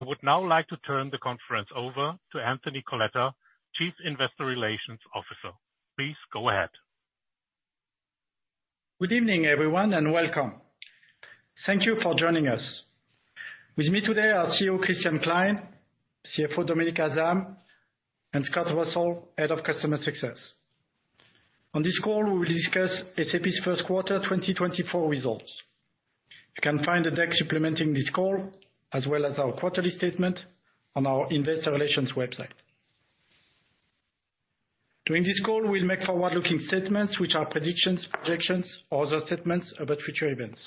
I would now like to turn the conference over to Anthony Coletta, Chief Investor Relations Officer. Please go ahead. Good evening, everyone, and welcome. Thank you for joining us. With me today are CEO Christian Klein, CFO Dominik Asam, and Scott Russell, Head of Customer Success. On this call, we will discuss SAP's First Quarter 2024 Results. You can find the deck supplementing this call, as well as our quarterly statement on our Investor Relations website. During this call, we'll make forward-looking statements which are predictions, projections, or other statements about future events.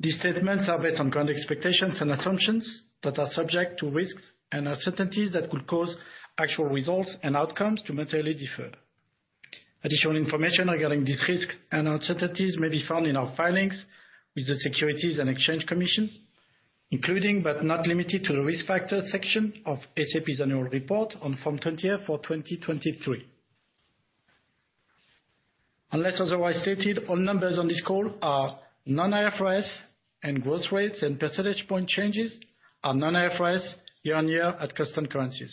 These statements are based on current expectations and assumptions that are subject to risks and uncertainties that could cause actual results and outcomes to materially differ. Additional information regarding these risks and uncertainties may be found in our filings with the Securities and Exchange Commission, including but not limited to, the Risk Factors section of SAP's annual report on Form 20-F for 2023. Unless otherwise stated, all numbers on this call are non-IFRS, and growth rates and percentage point changes are non-IFRS year-on-year at custom currencies.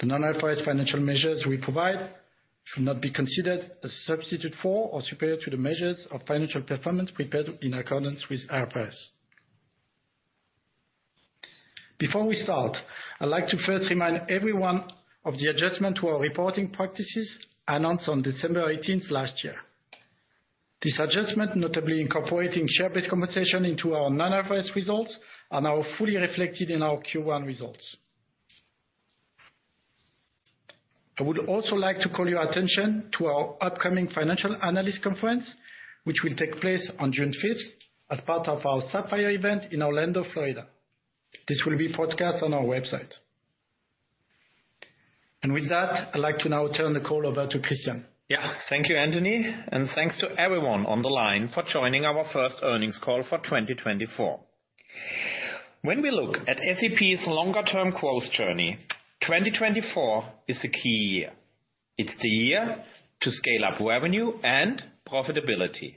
The non-IFRS financial measures we provide should not be considered a substitute for or superior to the measures of financial performance prepared in accordance with IFRS. Before we start, I'd like to first remind everyone of the adjustment to our reporting practices announced on December 18th last year. This adjustment, notably incorporating share-based compensation into our non-IFRS results, are now fully reflected in our Q1 results. I would also like to call your attention to our upcoming Financial Analyst Conference, which will take place on June 5th as part of our Sapphire event in Orlando, Florida. This will be broadcast on our website. With that, I'd like to now turn the call over to Christian. Yeah. Thank you, Anthony, and thanks to everyone on the line for joining our First Earnings Call for 2024. When we look at SAP's longer-term growth journey, 2024 is the key year. It's the year to scale up revenue and profitability.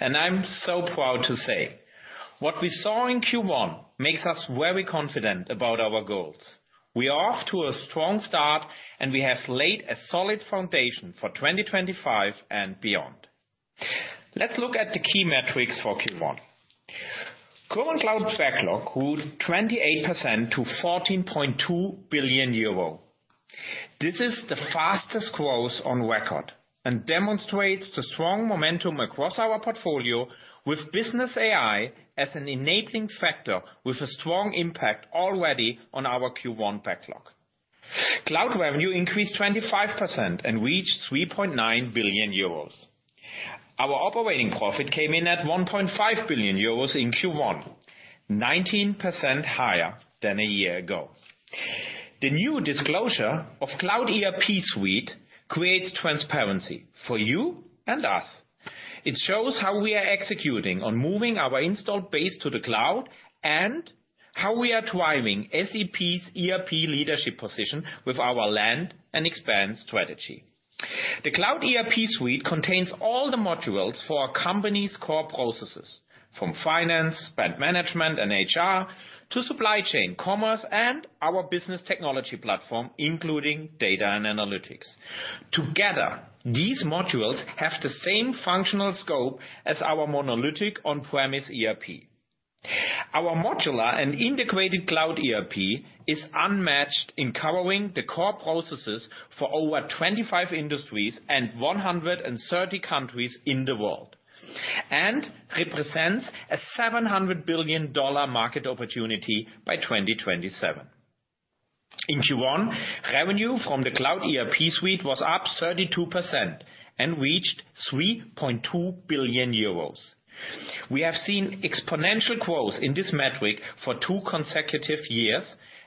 I'm so proud to say, what we saw in Q1 makes us very confident about our goals. We are off to a strong start, and we have laid a solid foundation for 2025 and beyond. Let's look at the key metrics for Q1. Current cloud backlog grew 28% to 14.2 billion euro. This is the fastest growth on record and demonstrates the strong momentum across our portfolio with Business AI as an enabling factor, with a strong impact already on our Q1 backlog. Cloud revenue increased 25% and reached 3.9 billion euros. Our operating profit came in at 1.5 billion euros in Q1, 19% higher than a year ago. The new disclosure of Cloud ERP Suite creates transparency for you and us. It shows how we are executing on moving our installed base to the cloud, and how we are driving SAP's ERP leadership position with our land and expand strategy. The Cloud ERP Suite contains all the modules for a company's core processes, from finance, spend management, and HR, to supply chain, commerce, and our business technology platform, including data and analytics. Together, these modules have the same functional scope as our monolithic on-premise ERP. Our modular and integrated cloud ERP is unmatched in covering the core processes for over 25 industries and 130 countries in the world, and represents a $700 billion market opportunity by 2027. In Q1, revenue from the Cloud ERP Suite was up 32% and reached 3.2 billion euros. We have seen exponential growth in this metric for two consecutive years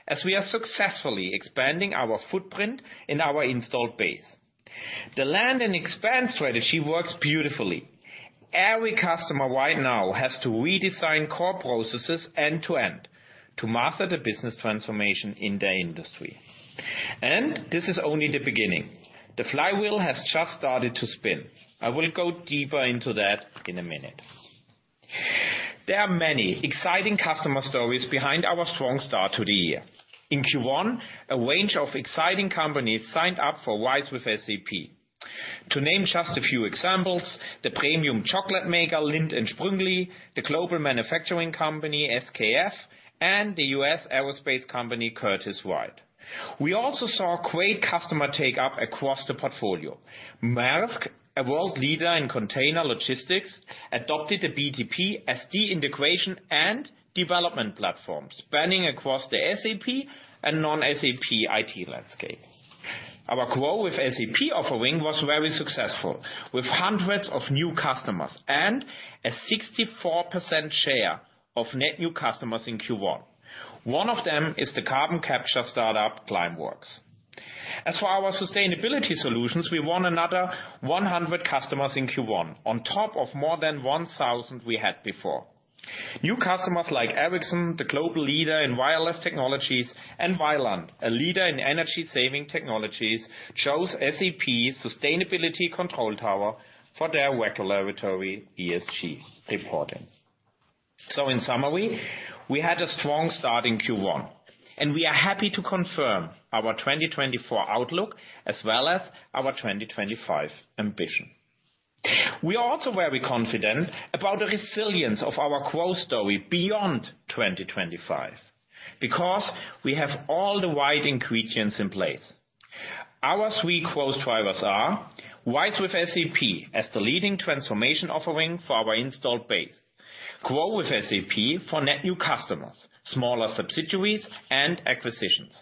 as we are successfully expanding our footprint in our installed base. The land and expand strategy works beautifully. Every customer right now has to redesign core processes end to end to master the business transformation in their industry. And this is only the beginning. The flywheel has just started to spin. I will go deeper into that in a minute. There are many exciting customer stories behind our strong start to the year. In Q1, a range of exciting companies signed up for RISE with SAP. To name just a few examples, the premium chocolate maker, Lindt & Sprüngli, the global manufacturing company, SKF, and the U.S. aerospace company, Curtiss-Wright. We also saw great customer uptake across the portfolio. Maersk, a world leader in container logistics, adopted the BTP, as the integration, and development platform, spanning across the SAP and non-SAP IT landscape. Our GROW with SAP offering was very successful, with hundreds of new customers and a 64% share of net new customers in Q1. One of them is the carbon capture startup, Climeworks. As for our sustainability solutions, we won another 100 customers in Q1, on top of more than 1,000 we had before. New customers like Ericsson, the global leader in wireless technologies, and Vaillant, a leader in energy-saving technologies, chose SAP Sustainability Control Tower for their regulatory ESG reporting. So in summary, we had a strong start in Q1, and we are happy to confirm our 2024 outlook, as well as our 2025 ambition. We are also very confident about the resilience of our growth story beyond 2025, because we have all the right ingredients in place. Our three growth drivers are: RISE with SAP as the leading transformation offering for our installed base. GROW with SAP for net new customers, smaller subsidiaries and acquisitions,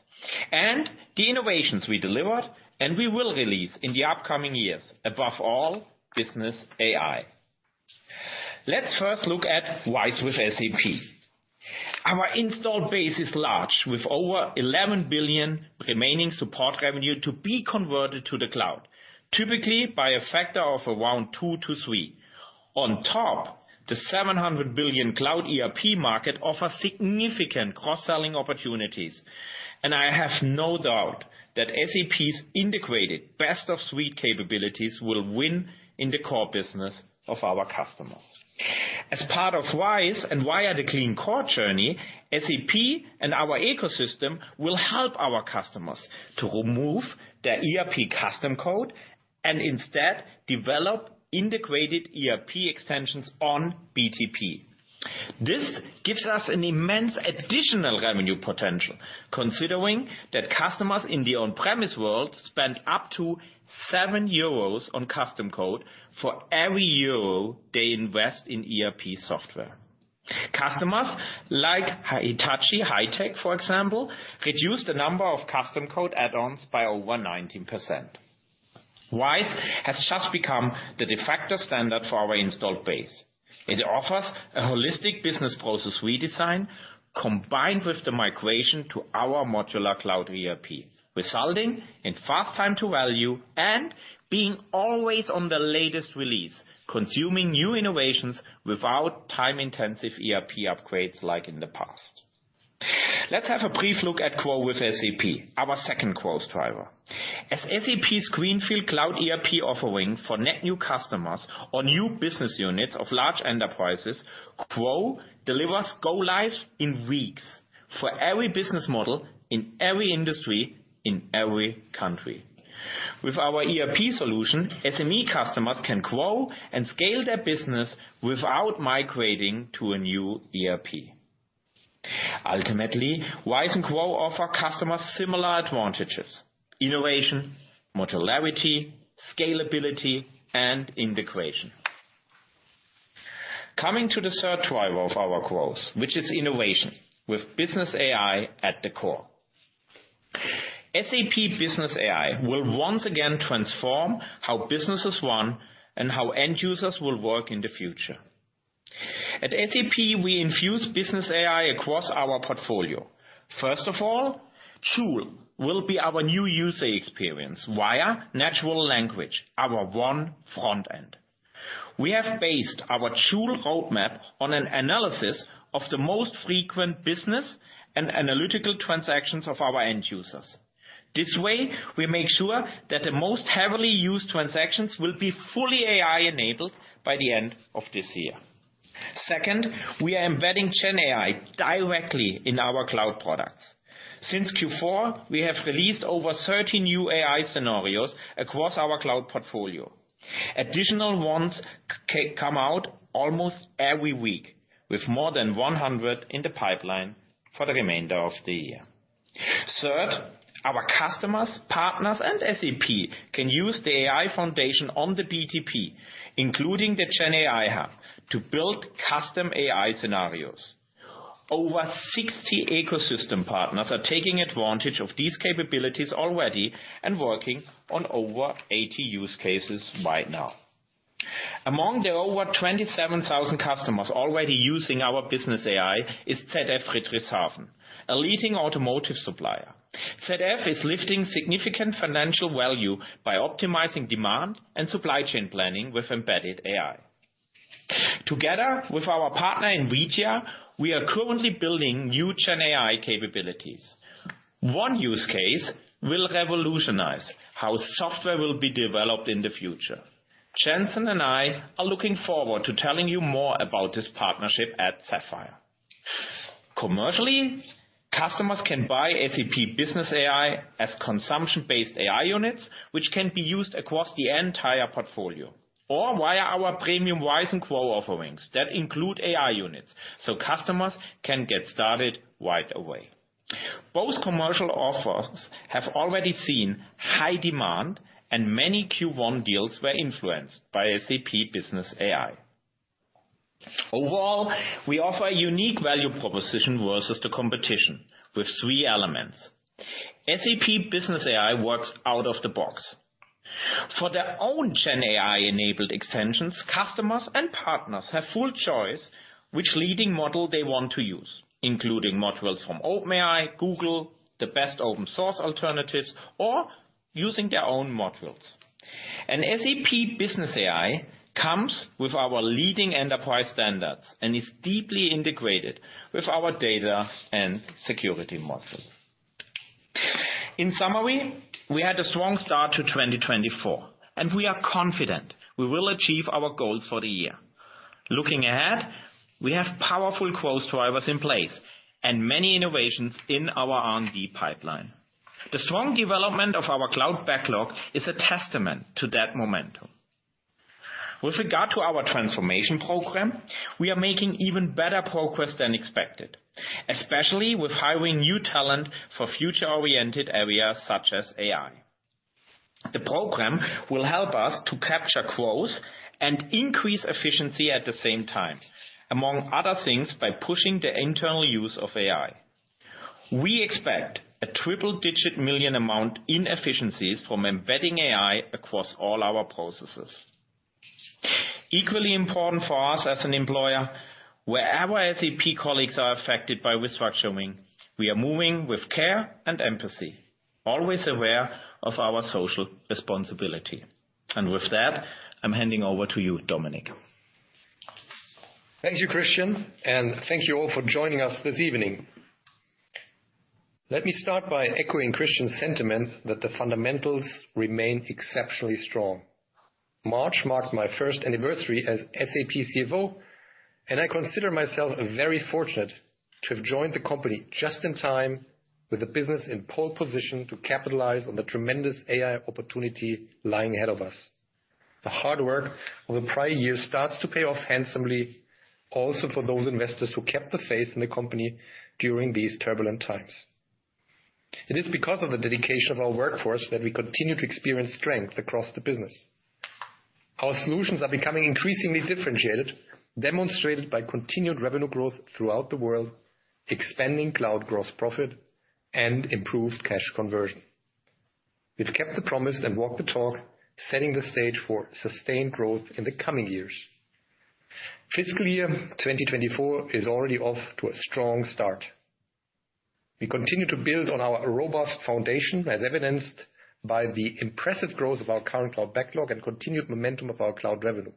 and the innovations we delivered, and we will release in the upcoming years, above all, Business AI. Let's first look at RISE with SAP. Our installed base is large, with over 11 billion remaining support revenue to be converted to the cloud, typically by a factor of around two to three. On top, the 700 billion cloud ERP market offers significant cross-selling opportunities, and I have no doubt that SAP's integrated best of suite capabilities will win in the core business of our customers. As part of RISE and via the Clean Core journey, SAP and our ecosystem will help our customers to remove their ERP custom code and instead develop integrated ERP extensions on BTP. This gives us an immense additional revenue potential, considering that customers in the on-premise world spend up to 7 euros on custom code for every EUR 1 they invest in ERP software. Customers like Hitachi High-Tech, for example, reduced the number of custom code add-ons by over 19%. RISE has just become the de facto standard for our installed base. It offers a holistic business process redesign, combined with the migration to our modular cloud ERP, resulting in fast time to value and being always on the latest release, consuming new innovations without time-intensive ERP upgrades like in the past. Let's have a brief look at GROW with SAP, our second growth driver. As SAP's Greenfield cloud ERP offering for net new customers or new business units of large enterprises, GROW delivers go lives in weeks for every business model, in every industry, in every country. With our ERP solution, SME customers can grow and scale their business without migrating to a new ERP. Ultimately, RISE and GROW offer customers similar advantages, innovation, modularity, scalability, and integration. Coming to the third driver of our growth, which is innovation, with Business AI at the core. SAP Business AI will once again transform how business is won and how end users will work in the future. At SAP, we infuse Business AI across our portfolio. First of all, Joule will be our new user experience via natural language, our one front end. We have based our Joule roadmap on an analysis of the most frequent business and analytical transactions of our end users. This way, we make sure that the most heavily used transactions will be fully AI-enabled by the end of this year. Second, we are embedding Gen AI directly in our cloud products. Since Q4, we have released over 30 new AI scenarios across our cloud portfolio. Additional ones come out almost every week, with more than 100 in the pipeline for the remainder of the year. Third, our customers, partners, and SAP can use the AI foundation on the BTP, including the Gen AI Hub, to build custom AI scenarios. Over 60 ecosystem partners are taking advantage of these capabilities already and working on over 80 use cases right now. Among the over 27,000 customers already using our Business AI is ZF Friedrichshafen, a leading automotive supplier. ZF is lifting significant financial value by optimizing demand and supply chain planning with embedded AI. Together with our partner, NVIDIA, we are currently building new Gen AI capabilities. One use case will revolutionize how software will be developed in the future. Jensen and I are looking forward to telling you more about this partnership at Sapphire. Commercially, customers can buy SAP Business AI as consumption-based AI units, which can be used across the entire portfolio, or via our premium RISE and GROW offerings that include AI units, so customers can get started right away. Both commercial offers have already seen high demand, and many Q1 deals were influenced by SAP Business AI. Overall, we offer a unique value proposition versus the competition with three elements. SAP Business AI works out of the box. For their own Gen AI-enabled extensions, customers and partners have full choice which leading model they want to use, including modules from OpenAI, Google, the best open source alternatives, or using their own modules. SAP Business AI comes with our leading enterprise standards and is deeply integrated with our data and security models. In summary, we had a strong start to 2024, and we are confident we will achieve our goals for the year. Looking ahead, we have powerful growth drivers in place and many innovations in our R&D pipeline. The strong development of our cloud backlog is a testament to that momentum. With regard to our transformation program, we are making even better progress than expected, especially with hiring new talent for future-oriented areas such as AI. The program will help us to capture growth and increase efficiency at the same time, among other things, by pushing the internal use of AI. We expect a triple-digit million amount in efficiencies from embedding AI across all our processes. Equally important for us as an employer, wherever SAP colleagues are affected by restructuring, we are moving with care and empathy, always aware of our social responsibility. With that, I'm handing over to you, Dominik. Thank you, Christian, and thank you all for joining us this evening. Let me start by echoing Christian's sentiment that the fundamentals remain exceptionally strong. March marked my first anniversary as SAP CFO, and I consider myself very fortunate to have joined the company just in time with the business in pole position to capitalize on the tremendous AI opportunity lying ahead of us. The hard work of the prior years starts to pay off handsomely, also for those investors who kept the faith in the company during these turbulent times. It is because of the dedication of our workforce that we continue to experience strength across the business. Our solutions are becoming increasingly differentiated, demonstrated by continued revenue growth throughout the world, expanding cloud gross profit, and improved cash conversion. We've kept the promise and walked the talk, setting the stage for sustained growth in the coming years. Fiscal year 2024 is already off to a strong start. We continue to build on our robust foundation, as evidenced by the impressive growth of our current cloud backlog and continued momentum of our cloud revenue.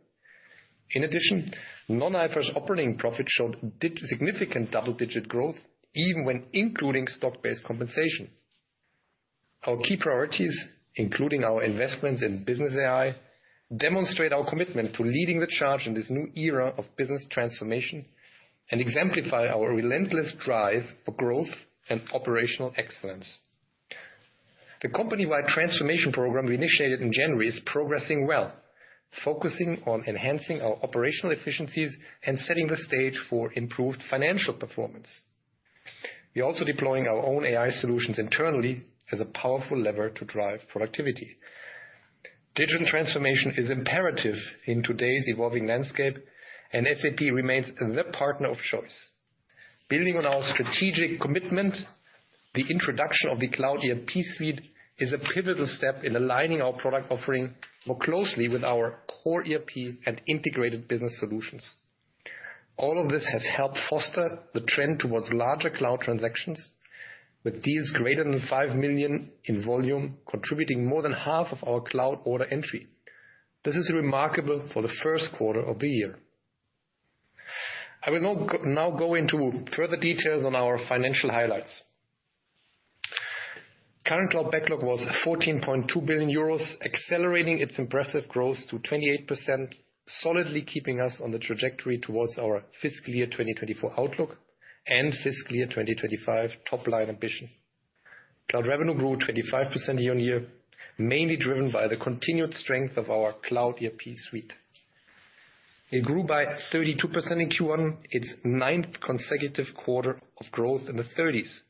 In addition, non-IFRS operating profit showed significant double-digit growth, even when including stock-based compensation. Our key priorities, including our investments in Business AI, demonstrate our commitment to leading the charge in this new era of business transformation and exemplify our relentless drive for growth and operational excellence. The company-wide transformation program we initiated in January is progressing well, focusing on enhancing our operational efficiencies and setting the stage for improved financial performance. We're also deploying our own AI solutions internally as a powerful lever to drive productivity. Digital transformation is imperative in today's evolving landscape, and SAP remains the partner of choice. Building on our strategic commitment, the introduction of the Cloud ERP Suite is a pivotal step in aligning our product offering more closely with our core ERP and integrated business solutions. All of this has helped foster the trend towards larger cloud transactions, with deals greater than 5 million in volume, contributing more than half of our cloud order entry. This is remarkable for the first quarter of the year. I will now go into further details on our financial highlights. Current Cloud Backlog was 14.2 billion euros, accelerating its impressive growth to 28%, solidly keeping us on the trajectory towards our fiscal year 2024 outlook and fiscal year 2025 top-line ambition. Cloud revenue grew 25% YoY, mainly driven by the continued strength of our Cloud ERP Suite. It grew by 32% in Q1, its ninth consecutive quarter of growth in the thirties.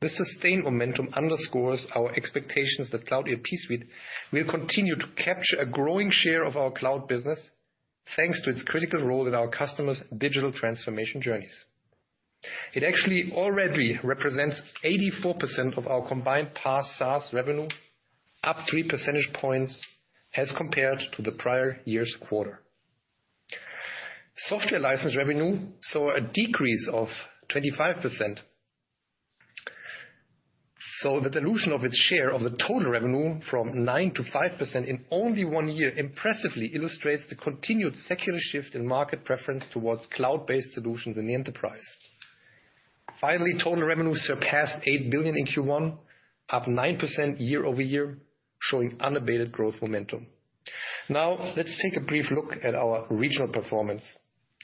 This sustained momentum underscores our expectations that Cloud ERP Suite will continue to capture a growing share of our cloud business, thanks to its critical role in our customers' digital transformation journeys. It actually already represents 84% of our combined past SaaS revenue, up three percentage points as compared to the prior year's quarter. Software license revenue saw a decrease of 25%. The dilution of its share of the total revenue from 9% to 5% in only one year impressively illustrates the continued secular shift in market preference towards cloud-based solutions in the enterprise. Finally, total revenue surpassed 8 billion in Q1, up 9% YoY, showing unabated growth momentum. Now, let's take a brief look at our regional performance.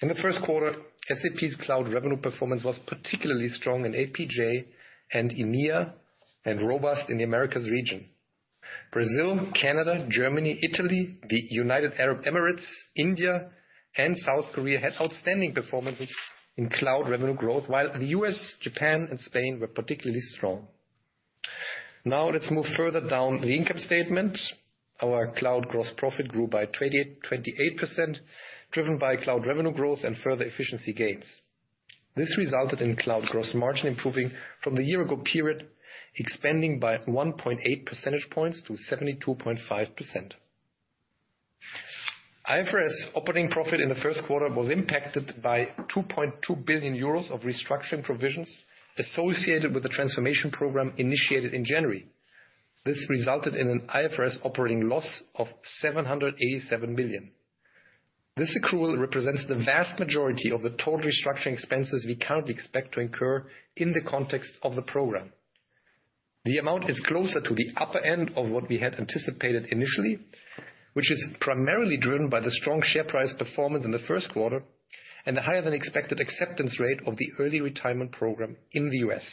In the first quarter, SAP's cloud revenue performance was particularly strong in APJ and EMEA, and robust in the Americas region. Brazil, Canada, Germany, Italy, the United Arab Emirates, India, and South Korea had outstanding performances in cloud revenue growth, while the U.S., Japan, and Spain were particularly strong. Now let's move further down the income statement. Our cloud gross profit grew by 28%, driven by cloud revenue growth and further efficiency gains. This resulted in cloud gross margin improving from the year ago period, expanding by 1.8 percentage points to 72.5%. IFRS operating profit in the first quarter was impacted by 2.2 billion euros of restructuring provisions associated with the transformation program initiated in January. This resulted in an IFRS operating loss of 787 million.... This accrual represents the vast majority of the total restructuring expenses we currently expect to incur in the context of the program. The amount is closer to the upper end of what we had anticipated initially, which is primarily driven by the strong share price performance in the first quarter, and the higher than expected acceptance rate of the early retirement program in the U.S.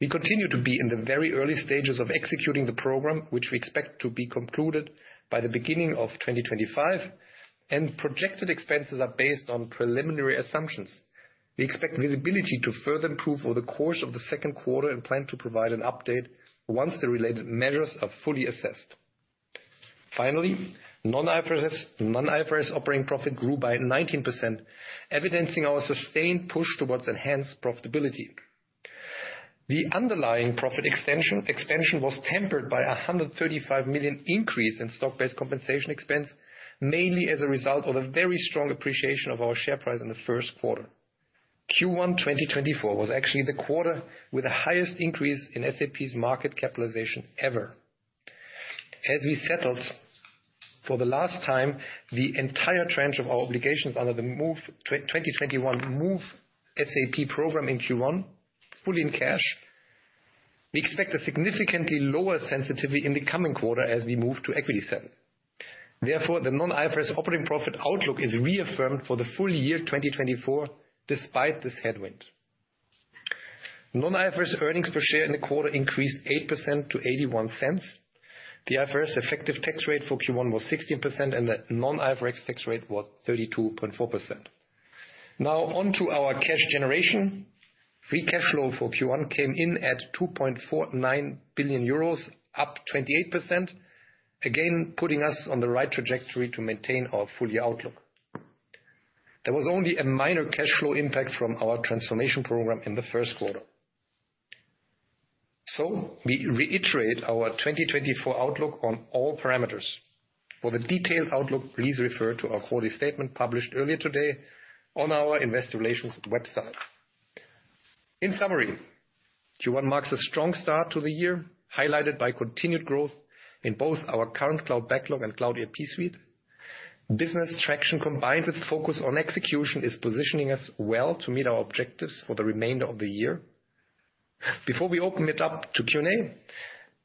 We continue to be in the very early stages of executing the program, which we expect to be concluded by the beginning of 2025, and projected expenses are based on preliminary assumptions. We expect visibility to further improve over the course of the second quarter, and plan to provide an update once the related measures are fully assessed. Finally, non-IFRS, non-IFRS operating profit grew by 19%, evidencing our sustained push towards enhanced profitability. The underlying profit extension, expansion was tempered by a 135 million increase in stock-based compensation expense, mainly as a result of a very strong appreciation of our share price in the first quarter. Q1 2024 was actually the quarter with the highest increase in SAP's market capitalization ever. As we settled for the last time the entire tranche of our obligations under the 2021 Move SAP program in Q1, fully in cash, we expect a significantly lower sensitivity in the coming quarter as we move to equity settlement. Therefore, the non-IFRS operating profit outlook is reaffirmed for the full year 2024, despite this headwind. Non-IFRS earnings per share in the quarter increased 8% to 0.81. The IFRS effective tax rate for Q1 was 16%, and the non-IFRS tax rate was 32.4%. Now, on to our cash generation. Free cash flow for Q1 came in at 2.49 billion euros, up 28%, again, putting us on the right trajectory to maintain our full-year outlook. There was only a minor cash flow impact from our transformation program in the first quarter. We reiterate our 2024 outlook on all parameters. For the detailed outlook, please refer to our quarterly statement published earlier today on our investor relations website. In summary, Q1 marks a strong start to the year, highlighted by continued growth in both our current cloud backlog and cloud ERP suite. Business traction, combined with focus on execution, is positioning us well to meet our objectives for the remainder of the year. Before we open it up to Q&A,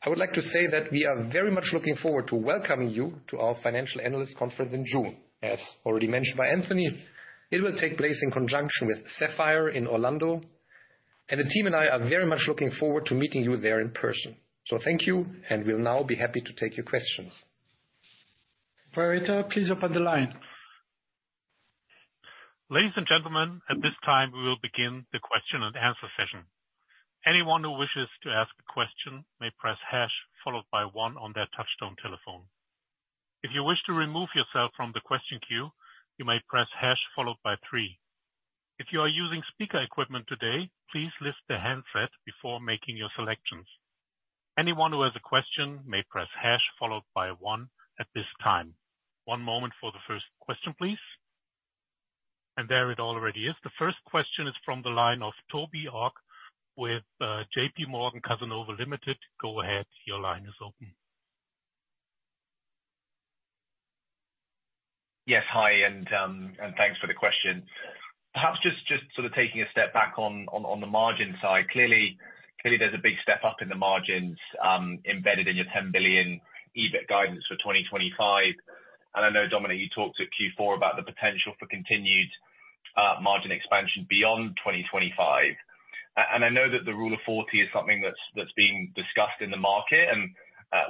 I would like to say that we are very much looking forward to welcoming you to our financial analyst conference in June. As already mentioned by Anthony, it will take place in conjunction with Sapphire in Orlando, and the team and I are very much looking forward to meeting you there in person. So thank you, and we'll now be happy to take your questions. Operator, please open the line. Ladies and gentlemen, at this time, we will begin the question and answer session. Anyone who wishes to ask a question may press hash, followed by one on their touchtone telephone. If you wish to remove yourself from the question queue, you may press hash followed by three. If you are using speaker equipment today, please lift the handset before making your selections. Anyone who has a question may press hash followed by one at this time. One moment for the first question, please. There it already is. The first question is from the line of Toby Ogg with JPMorgan Cazenove Ltd. Go ahead. Your line is open. Yes, hi, and thanks for the question. Perhaps just sort of taking a step back on the margin side. Clearly there's a big step up in the margins embedded in your 10 billion EBIT guidance for 2025. And I know, Dominik, you talked at Q4 about the potential for continued margin expansion beyond 2025. And I know that the Rule of 40 is something that's being discussed in the market, and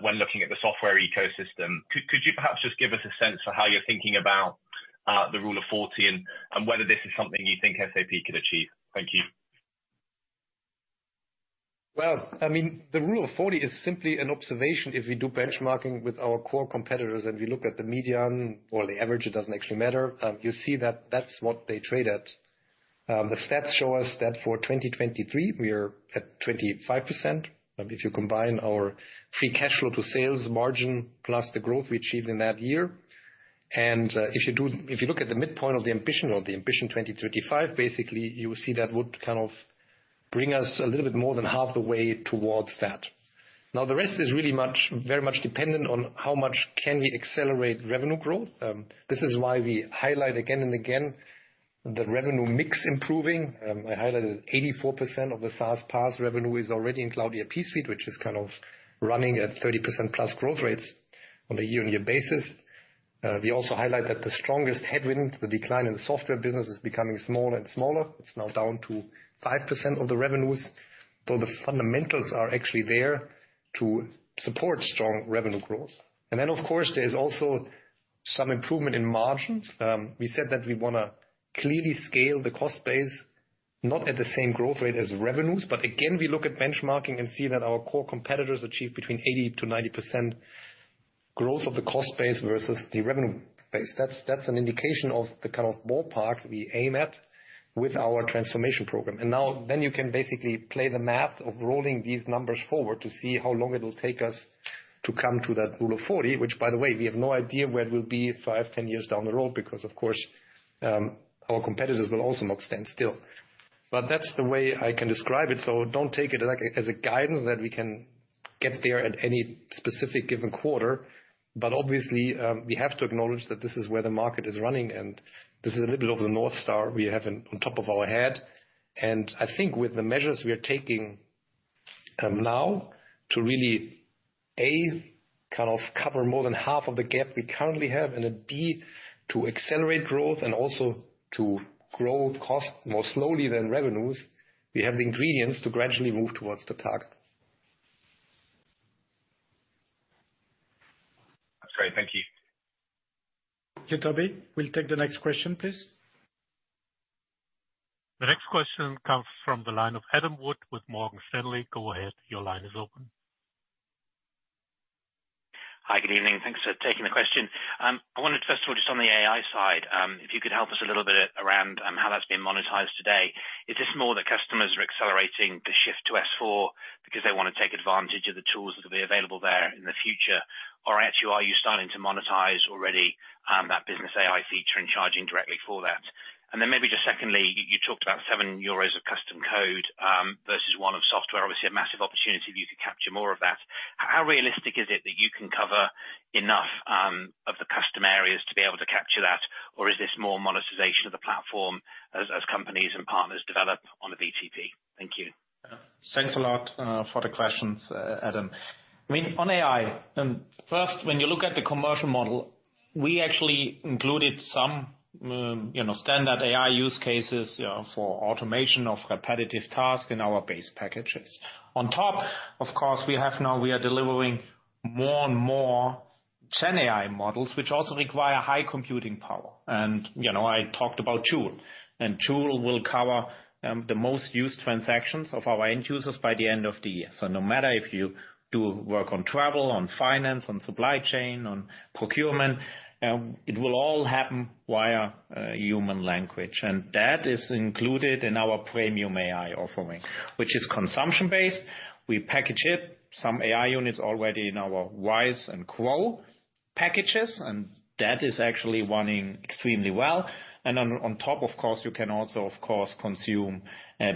when looking at the software ecosystem. Could you perhaps just give us a sense for how you're thinking about the Rule of 40, and whether this is something you think SAP could achieve? Thank you. Well, I mean, the Rule of 40 is simply an observation if we do benchmarking with our core competitors, and we look at the median or the average, it doesn't actually matter, you see that that's what they trade at. The stats show us that for 2023, we are at 25%, if you combine our free cash flow to sales margin plus the growth we achieved in that year. If you look at the midpoint of the ambition or the ambition 2035, basically, you will see that would kind of bring us a little bit more than half the way towards that. Now, the rest is really much, very much dependent on how much can we accelerate revenue growth. This is why we highlight again and again, the revenue mix improving. I highlighted 84% of the SaaS PaaS revenue is already in Cloud ERP suite, which is kind of running at 30%+ growth rates on a YoY basis. We also highlight that the strongest headwind, the decline in the software business, is becoming smaller and smaller. It's now down to 5% of the revenues, so the fundamentals are actually there to support strong revenue growth. And then, of course, there's also some improvement in margins. We said that we wanna clearly scale the cost base, not at the same growth rate as revenues. But again, we look at benchmarking and see that our core competitors achieve between 80%-90% growth of the cost base versus the revenue base. That's an indication of the kind of ballpark we aim at with our transformation program. Now then you can basically play the math of rolling these numbers forward to see how long it will take us to come to that Rule of 40. Which, by the way, we have no idea where it will be 5, 10 years down the road, because, of course, our competitors will also not stand still. But that's the way I can describe it, so don't take it, like, as a guidance that we can-... get there at any specific given quarter, but obviously, we have to acknowledge that this is where the market is running, and this is a little bit of the North Star we have on top of our head. And I think with the measures we are taking, now to really, A, kind of cover more than half of the gap we currently have, and then B, to accelerate growth and also to grow cost more slowly than revenues, we have the ingredients to gradually move towards the target. That's great. Thank you. Thank you, Toby. We'll take the next question, please. The next question comes from the line of Adam Wood with Morgan Stanley. Go ahead. Your line is open. Hi, good evening. Thanks for taking the question. I wanted to first of all, just on the AI side, if you could help us a little bit around how that's being monetized today. Is this more that customers are accelerating the shift to S/4 because they want to take advantage of the tools that will be available there in the future? Or actually, are you starting to monetize already that Business AI feature and charging directly for that? And then maybe just secondly, you talked about 7 euros of custom code versus 1 of software. Obviously, a massive opportunity if you could capture more of that. How realistic is it that you can cover enough of the custom areas to be able to capture that? Or is this more monetization of the platform as companies and partners develop on the BTP? Thank you. Thanks a lot for the questions, Adam. I mean, on AI, first, when you look at the commercial model, we actually included some, you know, standard AI use cases, you know, for automation of repetitive tasks in our base packages. On top, of course, we are now delivering more and more Gen AI models, which also require high computing power. And, you know, I talked about Joule, and Joule will cover the most used transactions of our end users by the end of the year. So no matter if you do work on travel, on finance, on supply chain, on procurement, it will all happen via human language. And that is included in our premium AI offering, which is consumption-based. We package it, some AI units already in our RISE and GROW packages, and that is actually running extremely well. And on top, of course, you can also, of course, consume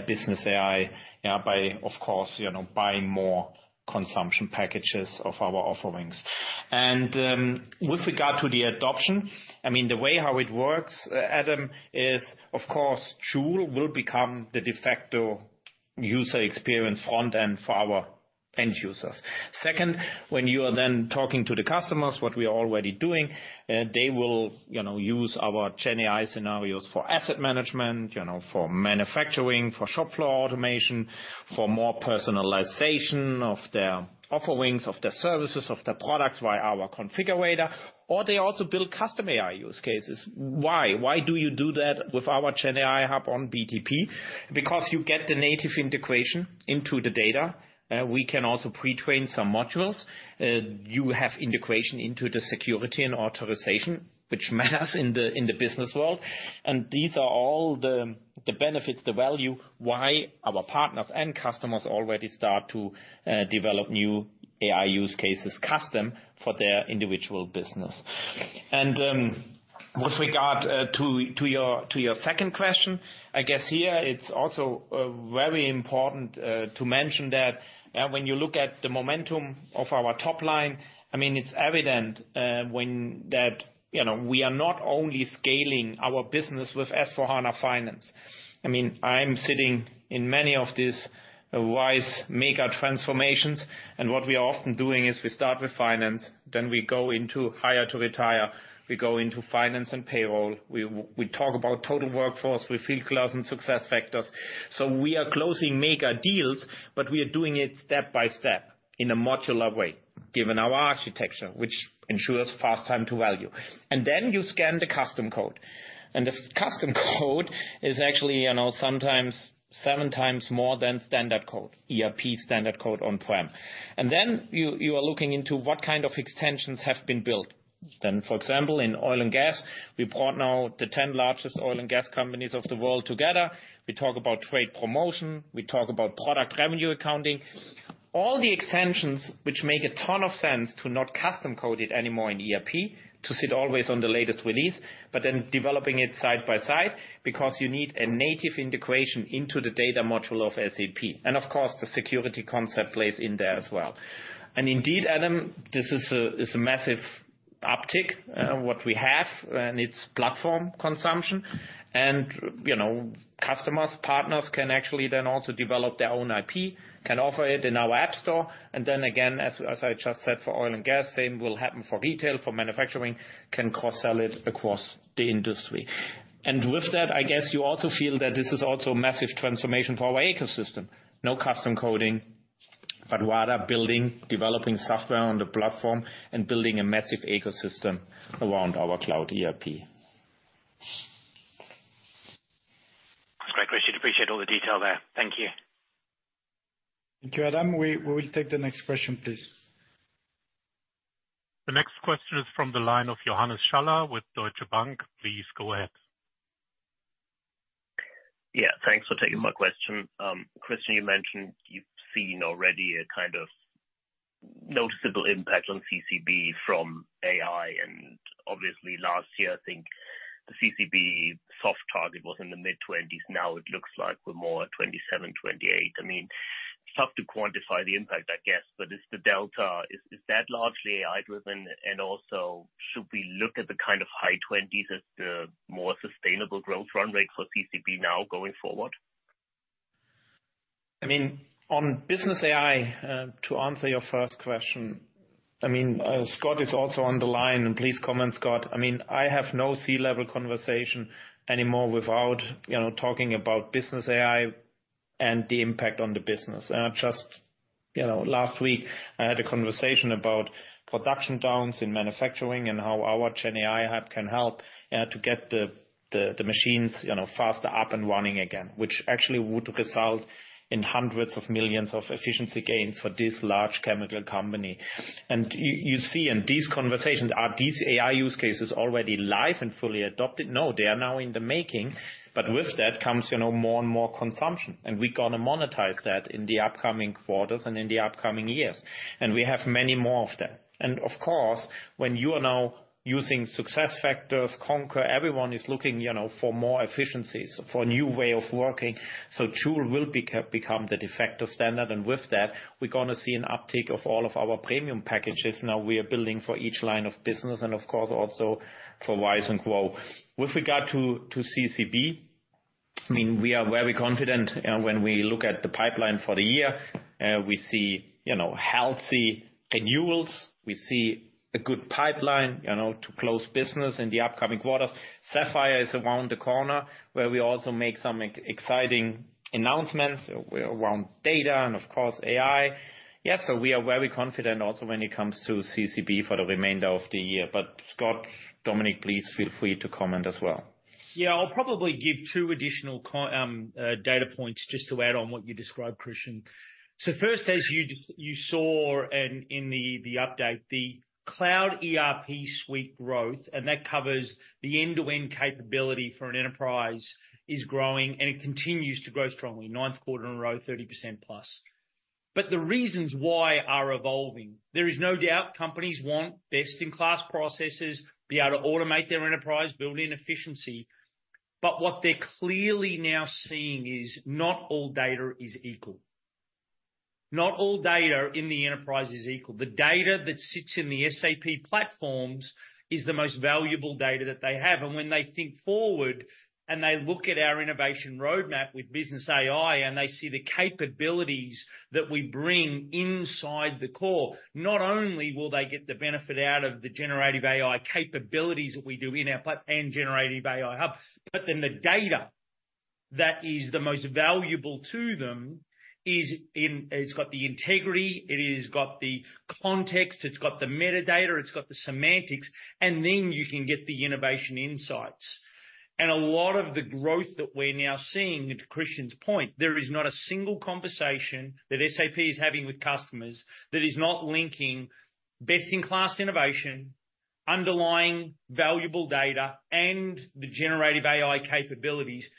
Business AI by, of course, you know, buying more consumption packages of our offerings. And with regard to the adoption, I mean, the way how it works, Adam, is, of course, Joule will become the de facto user experience front end for our end users. Second, when you are then talking to the customers, what we are already doing, they will, you know, use our Gen AI scenarios for asset management, you know, for manufacturing, for shop floor automation, for more personalization of their offerings, of their services, of their products via our configurator, or they also build custom AI use cases. Why? Why do you do that with our Gen AI Hub on BTP? Because you get the native integration into the data. We can also pre-train some modules. You have integration into the security and authorization, which matters in the business world. And these are all the benefits, the value, why our partners and customers already start to develop new AI use cases custom for their individual business. And with regard to your second question, I guess here it's also very important to mention that when you look at the momentum of our top line, I mean, it's evident that you know we are not only scaling our business with S/4HANA Finance. I mean, I'm sitting in many of these RISE mega transformations, and what we are often doing is we start with finance, then we go into Hire to Retire. We go into finance and payroll. We talk about total workforce. We Fieldglass and SuccessFactors. So we are closing mega deals, but we are doing it step by step in a modular way, given our architecture, which ensures fast time to value. And then you scan the custom code, and the custom code is actually, you know, sometimes seven times more than standard code, ERP standard code on-prem. And then you are looking into what kind of extensions have been built. Then, for example, in oil and gas, we brought now the 10 largest oil and gas companies of the world together. We talk about trade promotion, we talk about Production Revenue Accounting, all the extensions which make a ton of sense to not custom code it anymore in ERP, to sit always on the latest release, but then developing it side by side because you need a native integration into the data module of SAP. And of course, the security concept plays in there as well. And indeed, Adam, this is a massive uptick what we have, and it's platform consumption. And, you know, customers, partners can actually then also develop their own IP, can offer it in our app store, and then again, as I just said, for oil and gas, same will happen for retail, for manufacturing, can cross-sell it across the industry. And with that, I guess you also feel that this is also a massive transformation for our ecosystem. No custom coding, but rather building, developing software on the platform and building a massive ecosystem around our cloud ERP. That's great. Appreciate all the detail there. Thank you. Thank you, Adam. We will take the next question, please. The next question is from the line of Johannes Schaller with Deutsche Bank. Please go ahead. Yeah, thanks for taking my question. Christian, you mentioned you've seen already noticeable impact on CCB from AI, and obviously last year, I think the CCB soft target was in the mid-20s. Now it looks like we're more at 27-28. I mean, it's tough to quantify the impact, I guess, but is the delta that largely AI-driven? And also, should we look at the kind of high 20s as the more sustainable growth run rate for CCB now going forward? I mean, on Business AI, to answer your first question, I mean, Scott is also on the line, and please comment, Scott. I mean, I have no C-level conversation anymore without, you know, talking about Business AI and the impact on the business. And just, you know, last week, I had a conversation about production downs in manufacturing and how our Gen AI Hub can help, to get the machines, you know, faster up and running again, which actually would result in hundreds of millions of efficiency gains for this large chemical company. And you see in these conversations, are these AI use cases already live and fully adopted? No, they are now in the making, but with that comes, you know, more and more consumption, and we're gonna monetize that in the upcoming quarters and in the upcoming years, and we have many more of them. And of course, when you are now using SuccessFactors, Concur, everyone is looking, you know, for more efficiencies, for a new way of working, so Joule will become the de facto standard. And with that, we're gonna see an uptick of all of our premium packages now we are building for each line of business and, of course, also for RISE and GROW. With regard to CCB, I mean, we are very confident when we look at the pipeline for the year, we see, you know, healthy renewals. We see a good pipeline, you know, to close business in the upcoming quarter. Sapphire is around the corner, where we also make some exciting announcements around data and, of course, AI. Yeah, so we are very confident also when it comes to CCB for the remainder of the year. But Scott, Dominik, please feel free to comment as well. Yeah, I'll probably give two additional data points just to add on what you described, Christian. So first, as you saw in the update, the Cloud ERP Suite growth, and that covers the end-to-end capability for an enterprise, is growing, and it continues to grow strongly, ninth quarter in a row, 30% plus. But the reasons why are evolving. There is no doubt companies want best-in-class processes, be able to automate their enterprise, build in efficiency, but what they're clearly now seeing is not all data is equal. Not all data in the enterprise is equal. The data that sits in the SAP platforms is the most valuable data that they have. And when they think forward, and they look at our innovation roadmap with Business AI, and they see the capabilities that we bring inside the core, not only will they get the benefit out of the generative AI capabilities that we do in our pl- and generative AI hubs, but then the data that is the most valuable to them is in... It's got the integrity, it has got the context, it's got the metadata, it's got the semantics, and then you can get the innovation insights. And a lot of the growth that we're now seeing, to Christian's point, there is not a single conversation that SAP is having with customers that is not linking best-in-class innovation, underlying valuable data, and the generative AI capabilities in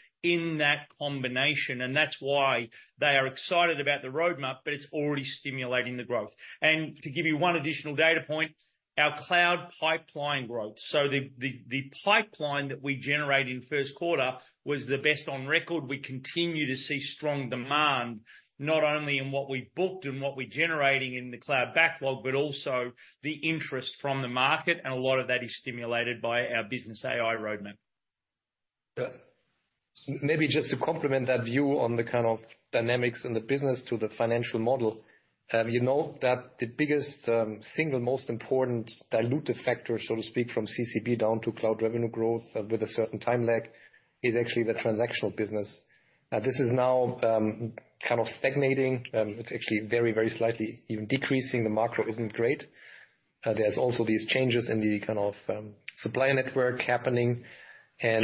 that combination. And that's why they are excited about the roadmap, but it's already stimulating the growth. To give you one additional data point, our cloud pipeline growth. So the pipeline that we generated in first quarter was the best on record. We continue to see strong demand, not only in what we booked and what we're generating in the cloud backlog, but also the interest from the market, and a lot of that is stimulated by our Business AI roadmap. Maybe just to complement that view on the kind of dynamics in the business to the financial model. You know that the biggest, single most important dilutive factor, so to speak, from CCB down to cloud revenue growth with a certain time lag, is actually the transactional business. This is now, kind of stagnating. It's actually very, very slightly even decreasing. The macro isn't great. There's also these changes in the kind of, supplier network happening. And,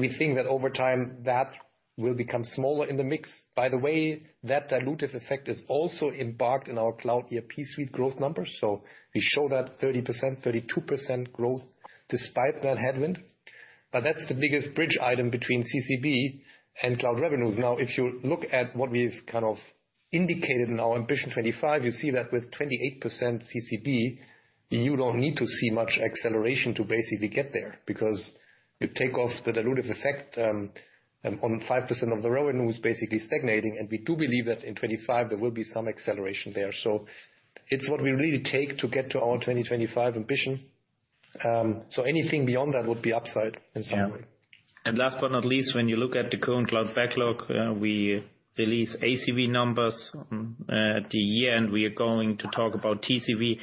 we think that over time, that will become smaller in the mix. By the way, that dilutive effect is also embarked in our Cloud ERP Suite growth numbers. So we show that 30%, 32% growth despite that headwind, but that's the biggest bridge item between CCB and cloud revenues. Now, if you look at what we've kind of indicated in our Ambition '25, you see that with 28% CCB, you don't need to see much acceleration to basically get there, because you take off the dilutive effect on 5% of the revenue is basically stagnating. And we do believe that in '25, there will be some acceleration there. So it's what we really take to get to our 2025 ambition. So anything beyond that would be upside, in summary. Yeah. And last but not least, when you look at the current cloud backlog, we release ACV numbers, at the end, we are going to talk about TCV,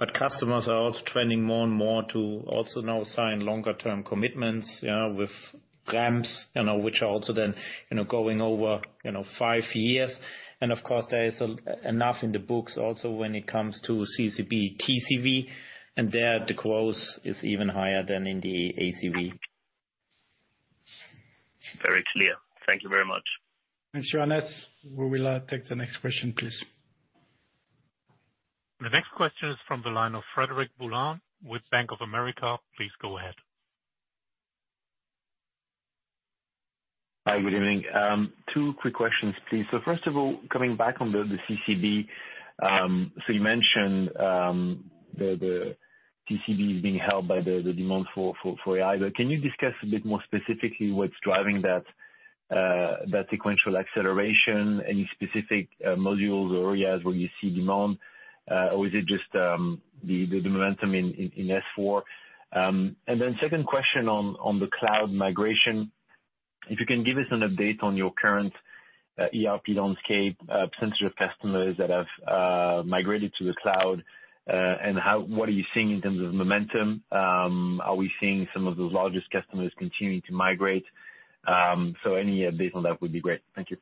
but customers are also trending more and more to also now sign longer term commitments, with ramps, you know, which are also then, you know, going over, you know, five years. And of course, there is enough in the books also when it comes to CCB TCV, and there, the growth is even higher than in the ACV. Very clear. Thank you very much. Thanks, Johannes. We will take the next question, please. The next question is from the line of Frederic Boulan with Bank of America. Please go ahead.... Hi, good evening. Two quick questions, please. So first of all, coming back on the CCB, so you mentioned the CCB is being held by the demand for AI, but can you discuss a bit more specifically what's driving that sequential acceleration? Any specific modules or areas where you see demand, or is it just the momentum in S/4? And then second question on the cloud migration, if you can give us an update on your current ERP landscape, percentage of customers that have migrated to the cloud, and what are you seeing in terms of momentum? Are we seeing some of those largest customers continuing to migrate? So any update on that would be great. Thank you.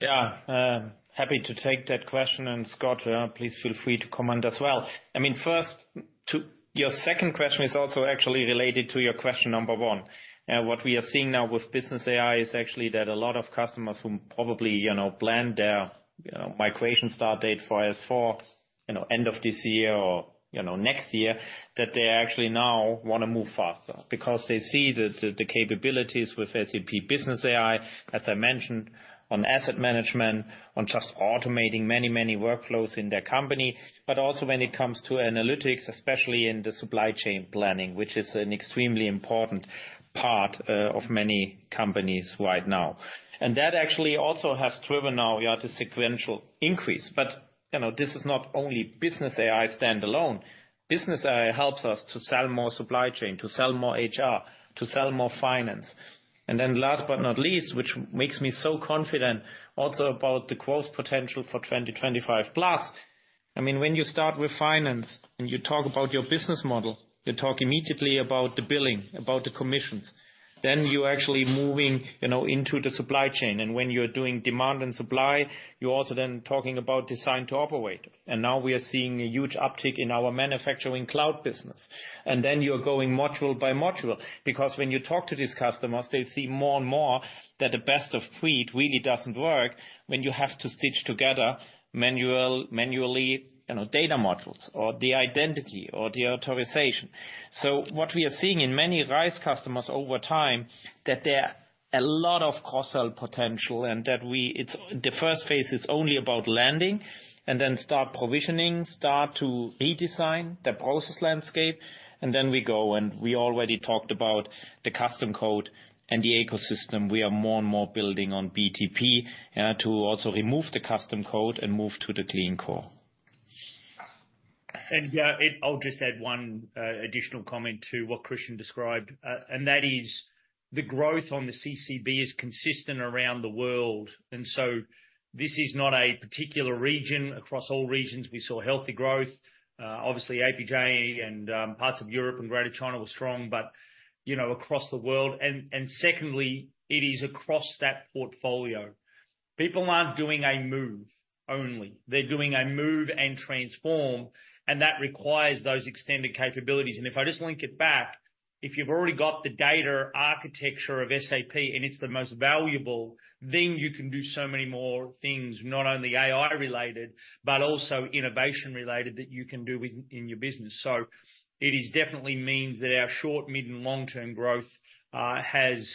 Yeah, happy to take that question, and Scott, please feel free to comment as well. I mean, first, your second question is also actually related to your question number one. What we are seeing now with Business AI is actually that a lot of customers who probably, you know, planned their, you know, migration start date for S/4, you know, end of this year or, you know, next year, that they actually now want to move faster because they see the, the, the capabilities with SAP Business AI, as I mentioned, on asset management, on just automating many, many workflows in their company. But also when it comes to analytics, especially in the supply chain planning, which is an extremely important part of many companies right now. And that actually also has driven now, yeah, the sequential increase. But, you know, this is not only Business AI standalone. Business AI helps us to sell more supply chain, to sell more HR, to sell more finance. And then last but not least, which makes me so confident also about the growth potential for 2025. Plus, I mean, when you start with finance and you talk about your business model, you talk immediately about the billing, about the commissions, then you're actually moving, you know, into the supply chain. And when you're doing demand and supply, you're also then talking about Design-to-Operate. And now we are seeing a huge uptick in our manufacturing cloud business. Then you're going module by module, because when you talk to these customers, they see more and more that the best of breed really doesn't work when you have to stitch together manually, you know, data modules or the identity or the authorization. So what we are seeing in many RISE customers over time, that there are a lot of cross-sell potential and that it's the first phase is only about landing, and then start provisioning, start to redesign the process landscape, and then we go. We already talked about the custom code and the ecosystem. We are more and more building on BTP to also remove the custom code and move to the Clean Core. I'll just add one additional comment to what Christian described, and that is the growth on the CCB is consistent around the world, and so this is not a particular region. Across all regions, we saw healthy growth. Obviously, APJ and parts of Europe and Greater China were strong, but you know, across the world. Secondly, it is across that portfolio. People aren't doing a move only. They're doing a move and transform, and that requires those extended capabilities. If I just link it back, if you've already got the data architecture of SAP, and it's the most valuable, then you can do so many more things, not only AI-related, but also innovation-related that you can do within your business. It is definitely means that our short, mid, and long-term growth has,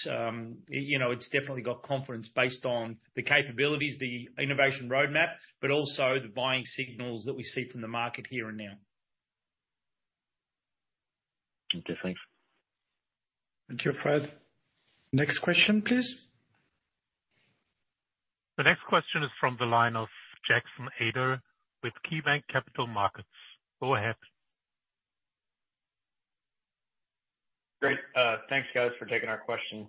you know, it's definitely got confidence based on the capabilities, the innovation roadmap, but also the buying signals that we see from the market here and now. Okay, thanks. Thank you, Fred. Next question, please. The next question is from the line of Jackson Ader with KeyBanc Capital Markets. Go ahead. Great. Thanks, guys, for taking our question.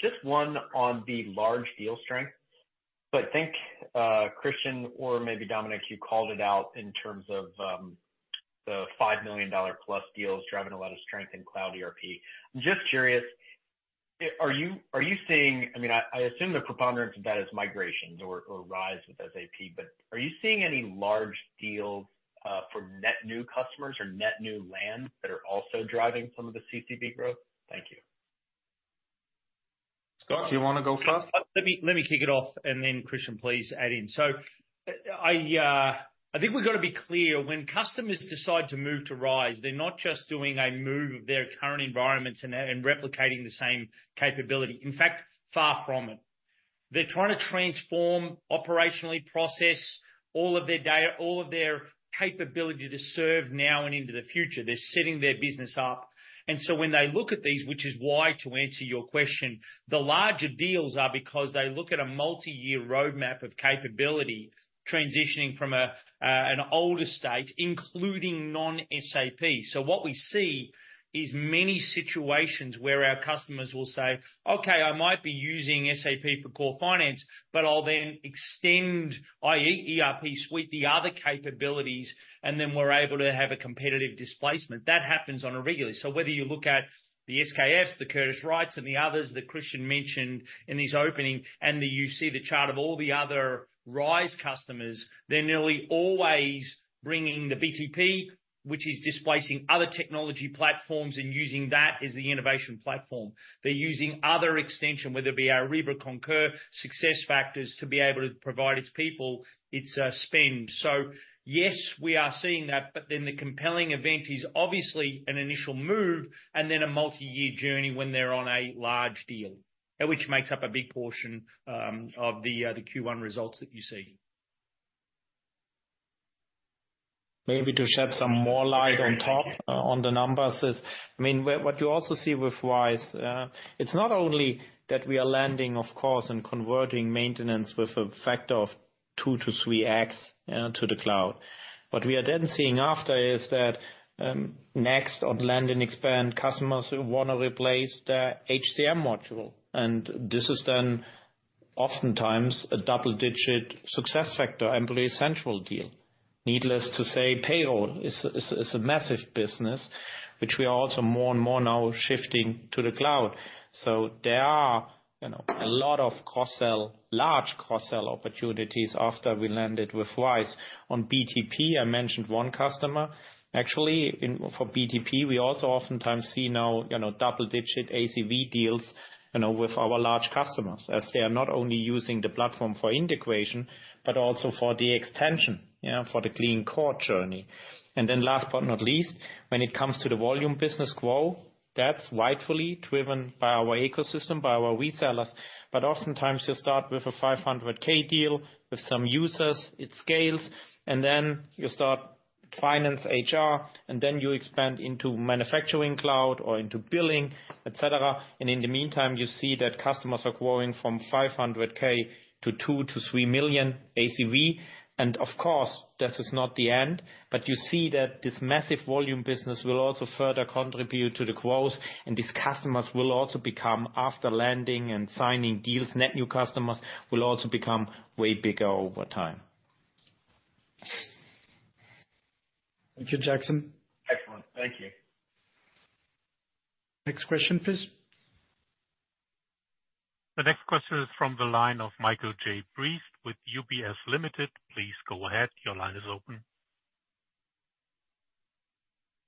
Just one on the large deal strength. So I think, Christian, or maybe Dominik, you called it out in terms of the $5 million+ deals driving a lot of strength in cloud ERP. Just curious, are you seeing, I mean, I assume the preponderance of that is migrations or RISE with SAP, but are you seeing any large deals for net new customers or net new lands that are also driving some of the CCB growth? Thank you. Scott? Do you want to go first? Let me, let me kick it off, and then, Christian, please add in. So, I, I think we've got to be clear, when customers decide to move to RISE, they're not just doing a move of their current environments and, and replicating the same capability. In fact, far from it. They're trying to transform operationally, process all of their data, all of their capability to serve now and into the future. They're setting their business up. And so when they look at these, which is why, to answer your question, the larger deals are because they look at a multi-year roadmap of capability, transitioning from a, an older state, including non-SAP. So what we see is many situations where our customers will say, "Okay, I might be using SAP for core finance, but I'll then extend, i.e., ERP suite, the other capabilities," and then we're able to have a competitive displacement. That happens on a regular. So whether you look at the SKF's, the Curtiss-Wright's, and the others that Christian mentioned in his opening, and then you see the chart of all the other RISE customers, they're nearly always bringing the BTP, which is displacing other technology platforms and using that as the innovation platform. They're using other extension, whether it be Ariba, Concur, SuccessFactors, to be able to provide its people its spend. So yes, we are seeing that, but then the compelling event is obviously an initial move and then a multi-year journey when they're on a large deal, which makes up a big portion of the, the Q1 results that you see. ... Maybe to shed some more light on top, on the numbers is, I mean, what, what you also see with RISE, it's not only that we are landing, of course, and converting maintenance with a factor of 2 to 3x, to the cloud. What we are then seeing after is that, next on land and expand, customers who wanna replace their HCM module, and this is then oftentimes a double-digit success factor, Employee Central deal. Needless to say, payroll is a massive business, which we are also more and more now shifting to the cloud. So there are, you know, a lot of cross-sell, large cross-sell opportunities after we landed with RISE. On BTP, I mentioned one customer. Actually, for BTP, we also oftentimes see now, you know, double-digit ACV deals, you know, with our large customers, as they are not only using the platform for integration, but also for the extension, yeah, for the Clean Core journey. Then last but not least, when it comes to the volume business growth, that's rightfully driven by our ecosystem, by our resellers, but oftentimes you start with a 500,000 deal with some users, it scales, and then you start finance, HR, and then you expand into manufacturing cloud or into billing, et cetera. In the meantime, you see that customers are growing from 500,000 to 2 million-3 million ACV. And of course, this is not the end, but you see that this massive volume business will also further contribute to the growth, and these customers will also become, after landing and signing deals, net new customers, will also become way bigger over time. Thank you, Jackson? Excellent. Thank you. Next question, please. The next question is from the line of Michael Briest with UBS Ltd. Please go ahead. Your line is open.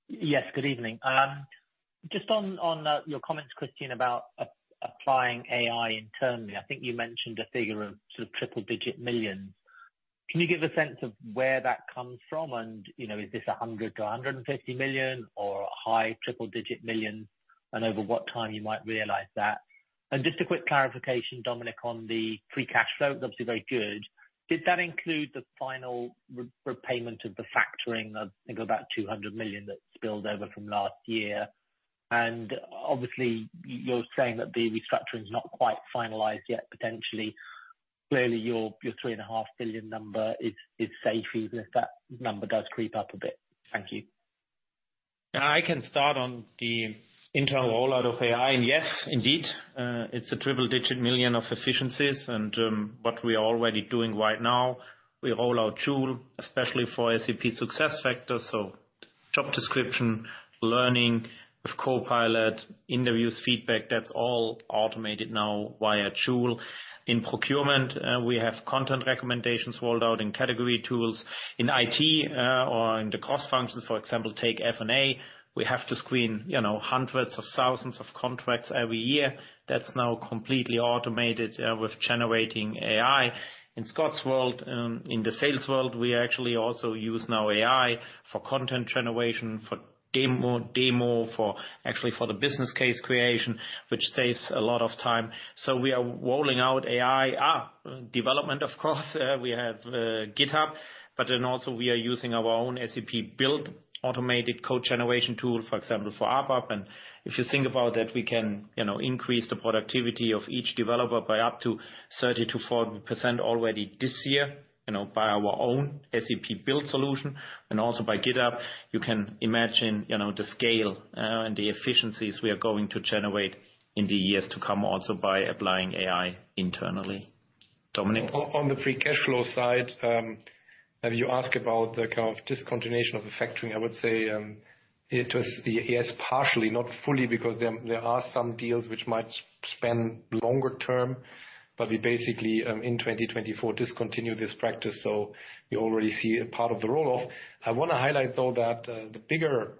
Yes, good evening. Just on, on, your comments, Christian, about applying AI internally, I think you mentioned a figure of sort of triple-digit million. Can you give a sense of where that comes from? And, you know, is this 100 million-150 million or a high triple-digit million, and over what time you might realize that? And just a quick clarification, Dominic, on the free cash flow, it's obviously very good. Did that include the final repayment of the factoring of, I think, about 200 million that spilled over from last year? And obviously, you're saying that the restructuring is not quite finalized yet, potentially. Clearly, your, your 3.5 billion number is, is safe, even if that number does creep up a bit. Thank you. Yeah, I can start on the internal rollout of AI. And yes, indeed, it's a triple-digit million of efficiencies and what we are already doing right now, we roll out Joule, especially for SAP SuccessFactors, so job description, learning with Copilot, interviews, feedback, that's all automated now via Joule. In procurement, we have content recommendations rolled out in category tools. In IT, or in the cost functions, for example, take F&A, we have to screen, you know, hundreds of thousands of contracts every year. That's now completely automated with generative AI. In Scott's world, in the sales world, we actually also use now AI for content generation, for demo, demo, actually for the business case creation, which saves a lot of time. So we are rolling out AI, development, of course. We have GitHub, but then also we are using our own SAP Build automated code generation tool, for example, for ABAP. And if you think about that, we can, you know, increase the productivity of each developer by up to 30%-40% already this year, you know, by our own SAP Build solution, and also by GitHub. You can imagine, you know, the scale and the efficiencies we are going to generate in the years to come, also by applying AI internally. Dominik? On the free cash flow side, and you ask about the kind of discontinuation of the factoring. I would say, it was, yes, partially, not fully, because there are some deals which might span longer term, but we basically, in 2024 discontinued this practice, so you already see a part of the roll-off. I wanna highlight, though, that, the bigger,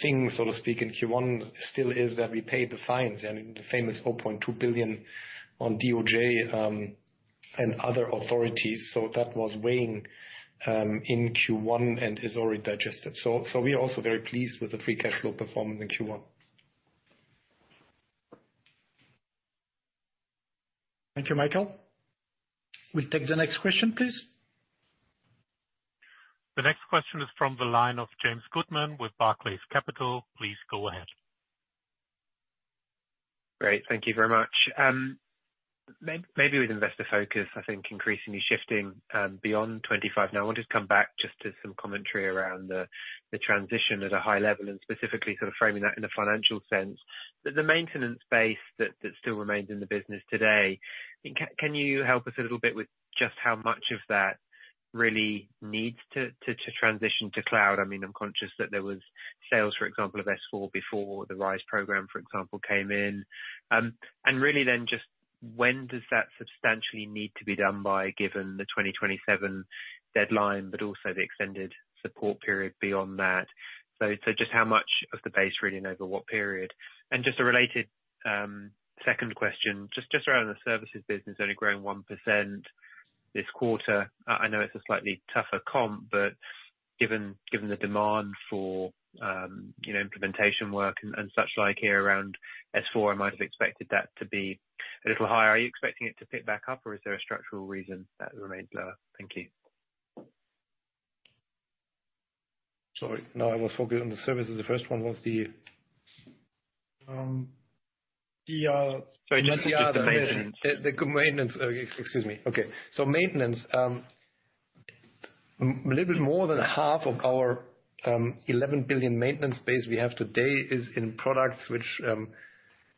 thing, so to speak, in Q1, still is that we paid the fines and the famous $4.2 billion on DOJ, and other authorities. So that was weighing, in Q1 and is already digested. So, so we are also very pleased with the free cash flow performance in Q1. Thank you, Michael. We'll take the next question, please. The next question is from the line of James Goodman with Barclays Capital. Please go ahead. Great. Thank you very much. Maybe with investor focus, I think increasingly shifting beyond 2025. Now, I wanted to come back just to some commentary around the transition at a high level, and specifically sort of framing that in a financial sense. The maintenance base that still remains in the business today, can you help us a little bit with just how much of that really needs to transition to cloud? I mean, I'm conscious that there was sales, for example, of S/4 before the RISE program, for example, came in. And really then, just when does that substantially need to be done by, given the 2027 deadline, but also the extended support period beyond that? So, just how much of the base really and over what period? Just a related second question, just around the services business only growing 1% this quarter. I know it's a slightly tougher comp, but given the demand for, you know, implementation work and such like here around S/4, I might have expected that to be a little higher. Are you expecting it to pick back up, or is there a structural reason that it remains lower? Thank you. Sorry, now I was focused on the services. The first one was the Sorry, the maintenance. So maintenance, a little bit more than half of our 11 billion maintenance base we have today is in products which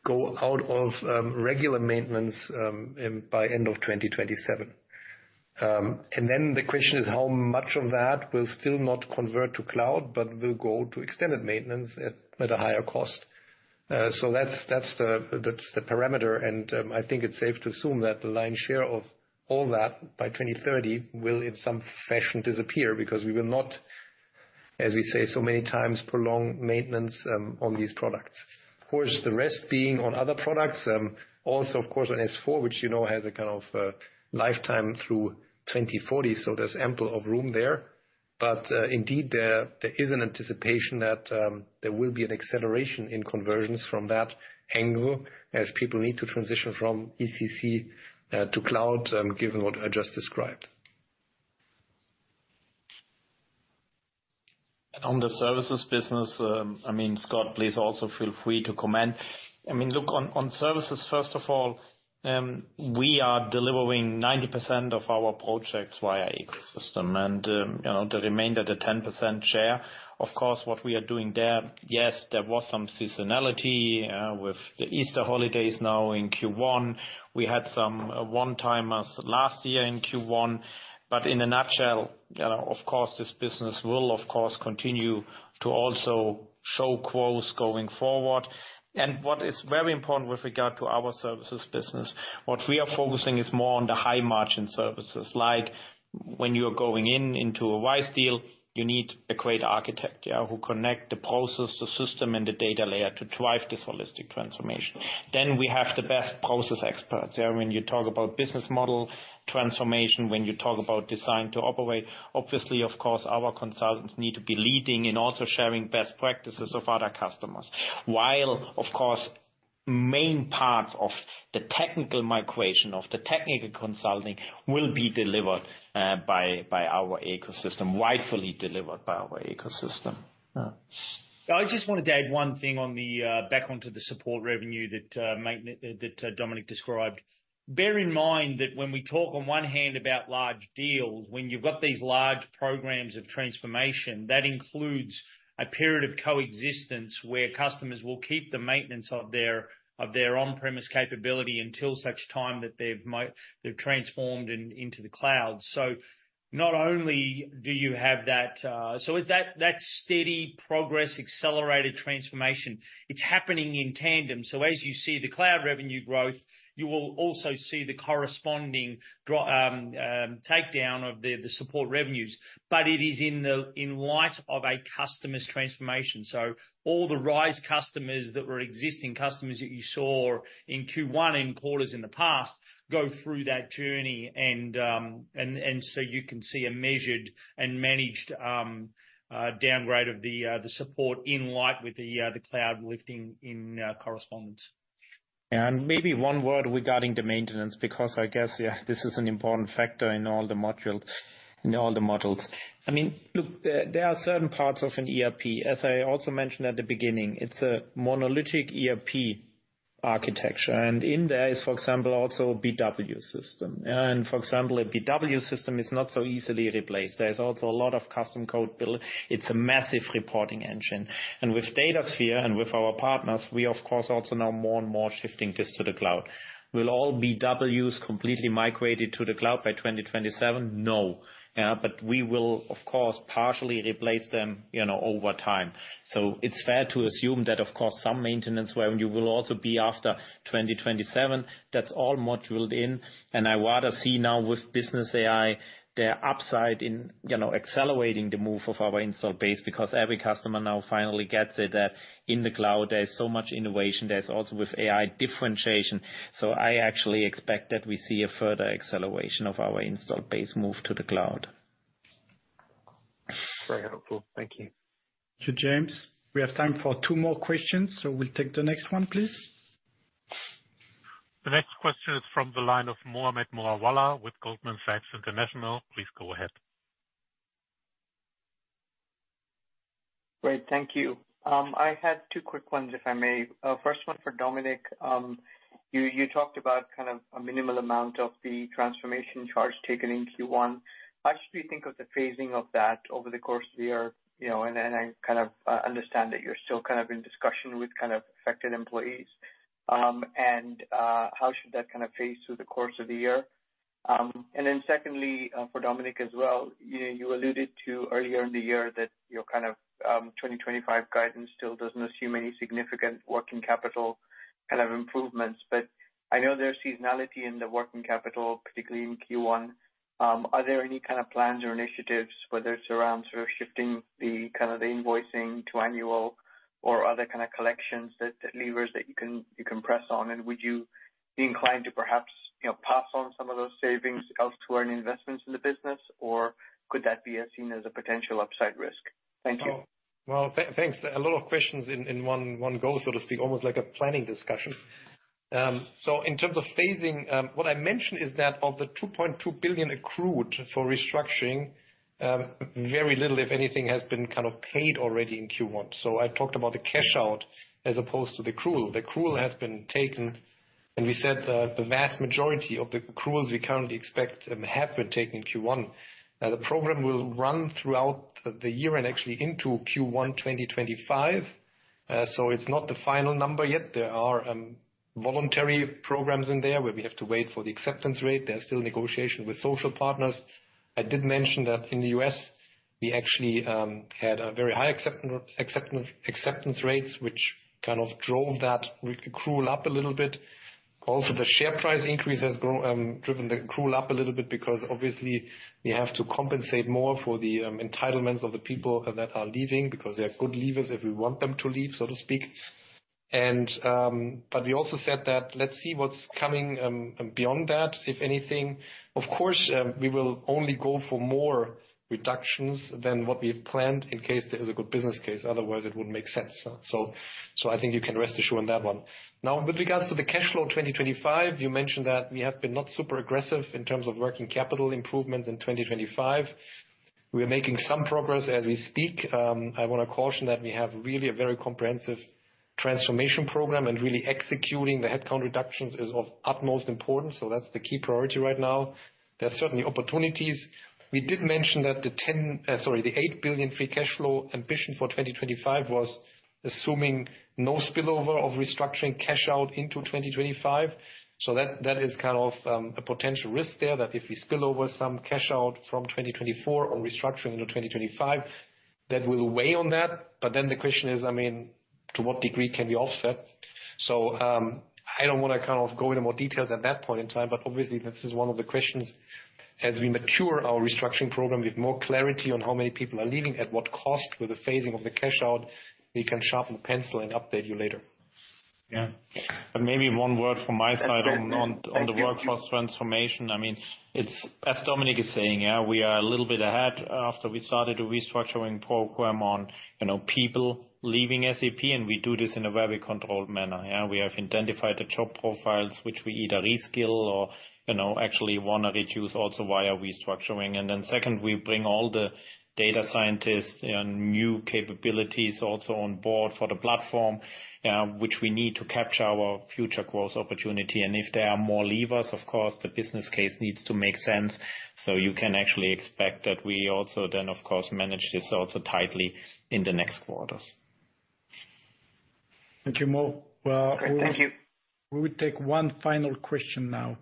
go out of regular maintenance by end of 2027. And then the question is how much of that will still not convert to cloud, but will go to extended maintenance at a higher cost? So that's the parameter, and I think it's safe to assume that the lion's share of all that by 2030 will, in some fashion, disappear. Because we will not, as we say so many times, prolong maintenance on these products. Of course, the rest being on other products, also, of course, on S/4 which, you know, has a kind of lifetime through 2040, so there's ample room there. But, indeed, there is an anticipation that there will be an acceleration in conversions from that angle, as people need to transition from ECC to cloud, given what I just described. On the services business, I mean, Scott, please also feel free to comment. I mean, look, on, on services, first of all, we are delivering 90% of our projects via ecosystem. And, you know, the remainder, the 10% share, of course, what we are doing there, yes, there was some seasonality with the Easter holidays now in Q1. We had some one-timers last year in Q1. But in a nutshell, you know, of course, this business will, of course, continue to also show growth going forward. And what is very important with regard to our services business, what we are focusing is more on the high margin services. Like when you're going in into a RISE deal, you need a great architect, yeah, who connect the process, the system, and the data layer to drive this holistic transformation. Then we have the best process experts. Yeah, when you talk about business model transformation, when you talk about Design-to-Operate, obviously, of course, our consultants need to be leading and also sharing best practices of other customers. While, of course, main parts of the technical migration, of the technical consulting will be delivered by our ecosystem, rightfully delivered by our ecosystem. I just wanted to add one thing on the back onto the support revenue that that Dominik described. Bear in mind that when we talk on one hand about large deals, when you've got these large programs of transformation, that includes a period of coexistence, where customers will keep the maintenance of their of their on-premise capability until such time that they've they've transformed into the cloud. So not only do you have that that steady progress, accelerated transformation, it's happening in tandem. So as you see the cloud revenue growth, you will also see the corresponding drop takedown of the the support revenues. But it is in light of a customer's transformation. So all the RISE customers that were existing customers that you saw in Q1 and quarters in the past go through that journey, and so you can see a measured and managed downgrade of the support in line with the cloud uplift correspondingly. Maybe one word regarding the maintenance, because I guess, yeah, this is an important factor in all the modules, in all the models. I mean, look, there are certain parts of an ERP. As I also mentioned at the beginning, it's a monolithic ERP architecture, and in there is, for example, also a BW system. And for example, a BW system is not so easily replaced. There's also a lot of custom code build. It's a massive reporting engine. And with Datasphere and with our partners, we of course also now more and more shifting this to the cloud. Will all BWs completely migrated to the cloud by 2027? No. But we will of course, partially replace them, you know, over time. So it's fair to assume that, of course, some maintenance revenue will also be after 2027. That's all modeled in, and I rather see now with Business AI, the upside in, you know, accelerating the move of our installed base. Because every customer now finally gets it, that in the cloud, there is so much innovation, there's also with AI, differentiation. So I actually expect that we see a further acceleration of our installed base move to the cloud. Very helpful. Thank you. Thank you, James. We have time for two more questions, so we'll take the next one, please. The next question is from the line of Mohammed Moawalla with Goldman Sachs International. Please go ahead. Great, thank you. I had two quick ones, if I may. First one for Dominik. You, you talked about kind of a minimal amount of the transformation charge taken in Q1. How should we think of the phasing of that over the course of the year? You know, and then I kind of understand that you're still kind of in discussion with kind of affected employees. And, how should that kind of phase through the course of the year? And then secondly, for Dominik as well, you, you alluded to earlier in the year that your kind of 2025 guidance still doesn't assume any significant working capital kind of improvements. But I know there's seasonality in the working capital, particularly in Q1. Are there any kind of plans or initiatives, whether it's around sort of shifting-... The kind of the invoicing to annual or other kind of collections that, the levers that you can, you can press on? And would you be inclined to perhaps, you know, pass on some of those savings else to our investments in the business, or could that be seen as a potential upside risk? Thank you. Well, thanks. A lot of questions in one go, so to speak, almost like a planning discussion. So in terms of phasing, what I mentioned is that of the 2.2 billion accrued for restructuring, very little, if anything, has been kind of paid already in Q1. So I talked about the cash out as opposed to the accrual. The accrual has been taken, and we said that the vast majority of the accruals we currently expect have been taken in Q1. Now, the program will run throughout the year and actually into Q1 2025. So it's not the final number yet. There are voluntary programs in there where we have to wait for the acceptance rate. There are still negotiations with social partners. I did mention that in the U.S., we actually had a very high acceptance rates, which kind of drove that accrual up a little bit. Also, the share price increase has grown driven the accrual up a little bit because obviously we have to compensate more for the entitlements of the people that are leaving, because they are good leavers if we want them to leave, so to speak. But we also said that let's see what's coming beyond that, if anything. Of course, we will only go for more reductions than what we've planned in case there is a good business case. Otherwise, it wouldn't make sense. So I think you can rest assured on that one. Now, with regards to the cash flow 2025, you mentioned that we have been not super aggressive in terms of working capital improvements in 2025. We are making some progress as we speak. I want to caution that we have really a very comprehensive transformation program, and really executing the headcount reductions is of utmost importance, so that's the key priority right now. There are certainly opportunities. We did mention that the 8 billion free cash flow ambition for 2025 was assuming no spillover of restructuring cash out into 2025. So that is kind of a potential risk there, that if we spill over some cash out from 2024 or restructuring into 2025, that will weigh on that. But then the question is, I mean, to what degree can we offset? So, I don't want to kind of go into more detail at that point in time, but obviously, this is one of the questions. As we mature our restructuring program with more clarity on how many people are leaving, at what cost, with the phasing of the cash out, we can sharpen pencil and update you later. Yeah. But maybe one word from my side on the workforce transformation. I mean, it's as Dominik is saying, yeah, we are a little bit ahead after we started a restructuring program on, you know, people leaving SAP, and we do this in a very controlled manner. Yeah, we have identified the job profiles, which we either reskill or, you know, actually want to reduce also via restructuring. And then second, we bring all the data scientists and new capabilities also on board for the platform, which we need to capture our future growth opportunity. And if there are more levers, of course, the business case needs to make sense. So you can actually expect that we also then, of course, manage this also tightly in the next quarters. Thank you, Mo. Thank you. We will take one final question now.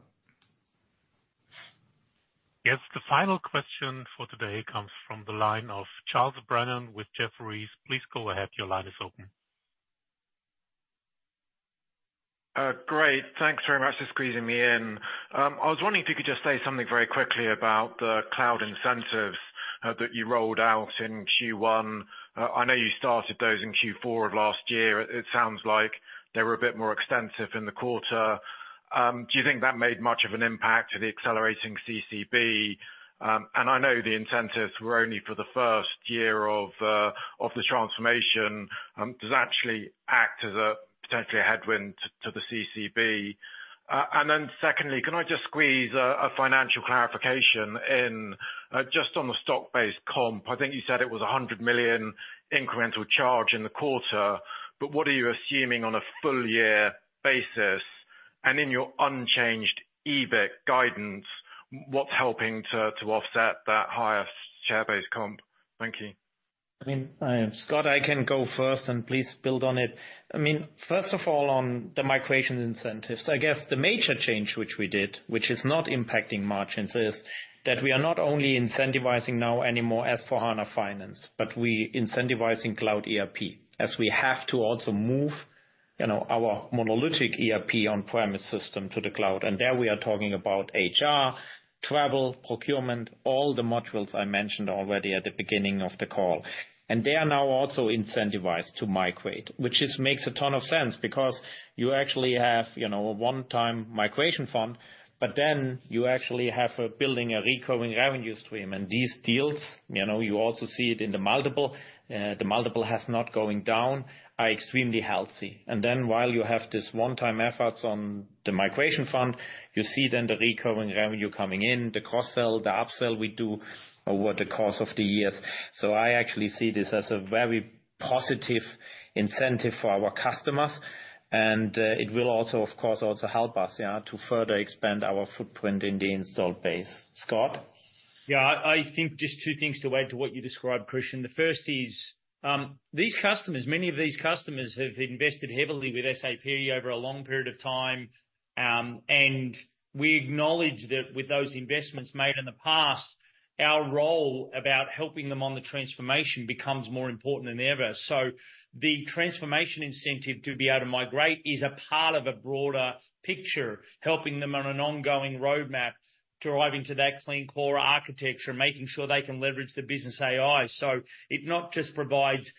Yes, the final question for today comes from the line of Charles Brennan with Jefferies. Please go ahead. Your line is open. Great, thanks very much for squeezing me in. I was wondering if you could just say something very quickly about the cloud incentives that you rolled out in Q1. I know you started those in Q4 of last year. It sounds like they were a bit more extensive in the quarter. Do you think that made much of an impact to the accelerating CCB? And I know the incentives were only for the first year of the transformation. Does it actually act as a potentially a headwind to the CCB? And then secondly, can I just squeeze a financial clarification in, just on the stock-based comp? I think you said it was 100 million incremental charge in the quarter, but what are you assuming on a full year basis? In your unchanged EBIT guidance, what's helping to offset that higher share-based comp? Thank you. I mean, Scott, I can go first and please build on it. I mean, first of all, on the migration incentives, I guess the major change which we did, which is not impacting margins, is that we are not only incentivizing now anymore S/4HANA Finance, but we incentivizing cloud ERP, as we have to also move, you know, our monolithic ERP on-premise system to the cloud. And there, we are talking about HR, travel, procurement, all the modules I mentioned already at the beginning of the call. And they are now also incentivized to migrate, which is, makes a ton of sense, because you actually have, you know, a one-time migration fund, but then you actually have a building, a recurring revenue stream. And these deals, you know, you also see it in the multiple, the multiple has not going down, are extremely healthy. And then while you have these one-time efforts on the migration fund, you see then the recurring revenue coming in, the cross sell, the upsell we do over the course of the years. So I actually see this as a very positive incentive for our customers, and it will also, of course, also help us, yeah, to further expand our footprint in the installed base. Scott?... Yeah, I think just two things to add to what you described, Christian. The first is, these customers, many of these customers have invested heavily with SAP over a long period of time. And we acknowledge that with those investments made in the past, our role about helping them on the transformation becomes more important than ever. So the transformation incentive to be able to migrate is a part of a broader picture, helping them on an ongoing roadmap, driving to that Clean Core architecture, making sure they can leverage the Business AI. So it not just provides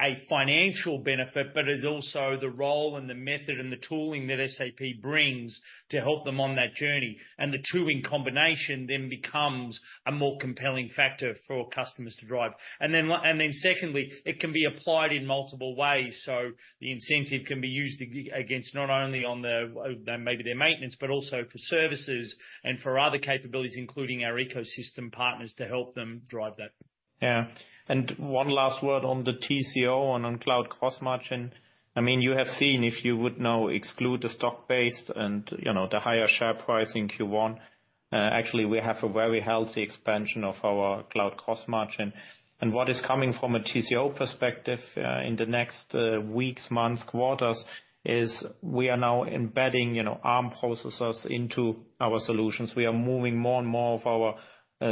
a financial benefit, but is also the role and the method and the tooling that SAP brings to help them on that journey. And the two in combination then becomes a more compelling factor for customers to drive. And then secondly, it can be applied in multiple ways. So the incentive can be used against not only on the, maybe their maintenance, but also for services and for other capabilities, including our ecosystem partners, to help them drive that. Yeah. And one last word on the TCO and on cloud gross margin. I mean, you have seen, if you would now exclude the stock-based and, you know, the higher share price in Q1, actually, we have a very healthy expansion of our cloud gross margin. And what is coming from a TCO perspective, in the next weeks, months, quarters, is we are now embedding, you know, ARM processors into our solutions. We are moving more and more of our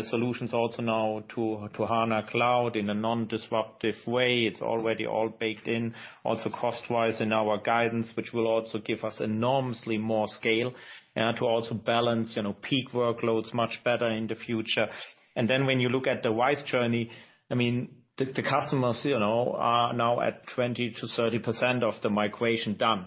solutions also now to HANA Cloud in a non-disruptive way. It's already all baked in, also cost-wise in our guidance, which will also give us enormously more scale to also balance, you know, peak workloads much better in the future. And then when you look at the RISE journey, I mean, the customers, you know, are now at 20%-30% of the migration done.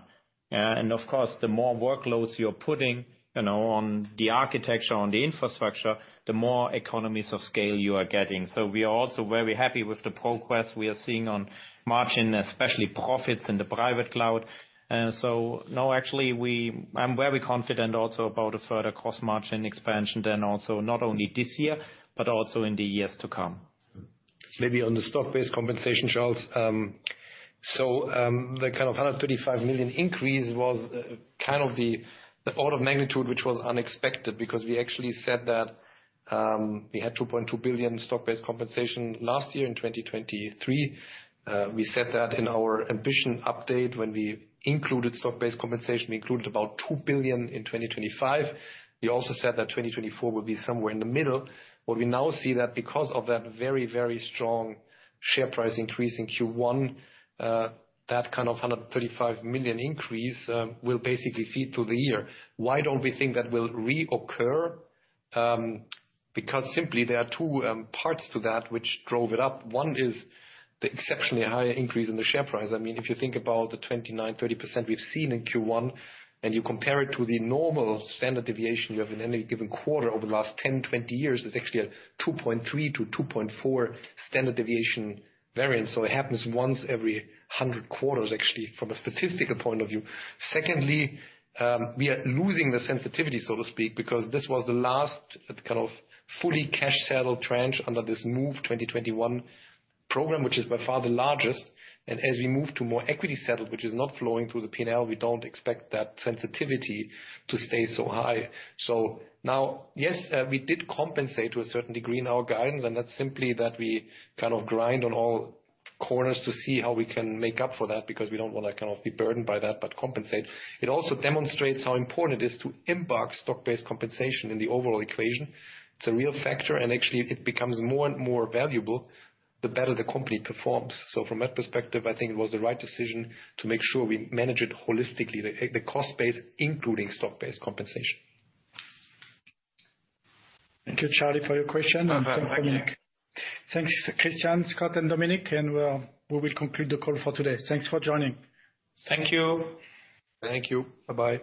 And of course, the more workloads you're putting, you know, on the architecture, on the infrastructure, the more economies of scale you are getting. So we are also very happy with the progress we are seeing on margin, especially profits in the private cloud. So no, actually, we, I'm very confident also about a further gross margin expansion, then also not only this year, but also in the years to come. Maybe on the stock-based compensation, Charles. So, the kind of 135 million increase was kind of the order of magnitude, which was unexpected, because we actually said that we had 2.2 billion stock-based compensation last year in 2023. We said that in our ambition update when we included stock-based compensation, we included about 2 billion in 2025. We also said that 2024 would be somewhere in the middle. What we now see that because of that very, very strong share price increase in Q1, that kind of 135 million increase will basically feed through the year. Why don't we think that will reoccur? Because simply there are two parts to that which drove it up. One is the exceptionally higher increase in the share price. I mean, if you think about the 29%-30% we've seen in Q1, and you compare it to the normal standard deviation you have in any given quarter over the last 10, 20 years, it's actually a 2.3-2.4 standard deviation variance. So it happens once every 100 quarters, actually, from a statistical point of view. Secondly, we are losing the sensitivity, so to speak, because this was the last kind of fully cash settled tranche under this Move 2021 program, which is by far the largest. And as we move to more equity settled, which is not flowing through the P&L, we don't expect that sensitivity to stay so high. So now, yes, we did compensate to a certain degree in our guidance, and that's simply that we kind of grind on all corners to see how we can make up for that, because we don't want to kind of be burdened by that, but compensate. It also demonstrates how important it is to embed stock-based compensation in the overall equation. It's a real factor, and actually, it becomes more and more valuable, the better the company performs. So from that perspective, I think it was the right decision to make sure we manage it holistically, the cost base, including stock-based compensation. Thank you, Charlie, for your question and for coming. Thanks, Christian, Scott, and Dominik, and we will conclude the call for today. Thanks for joining. Thank you. Thank you. Bye-bye.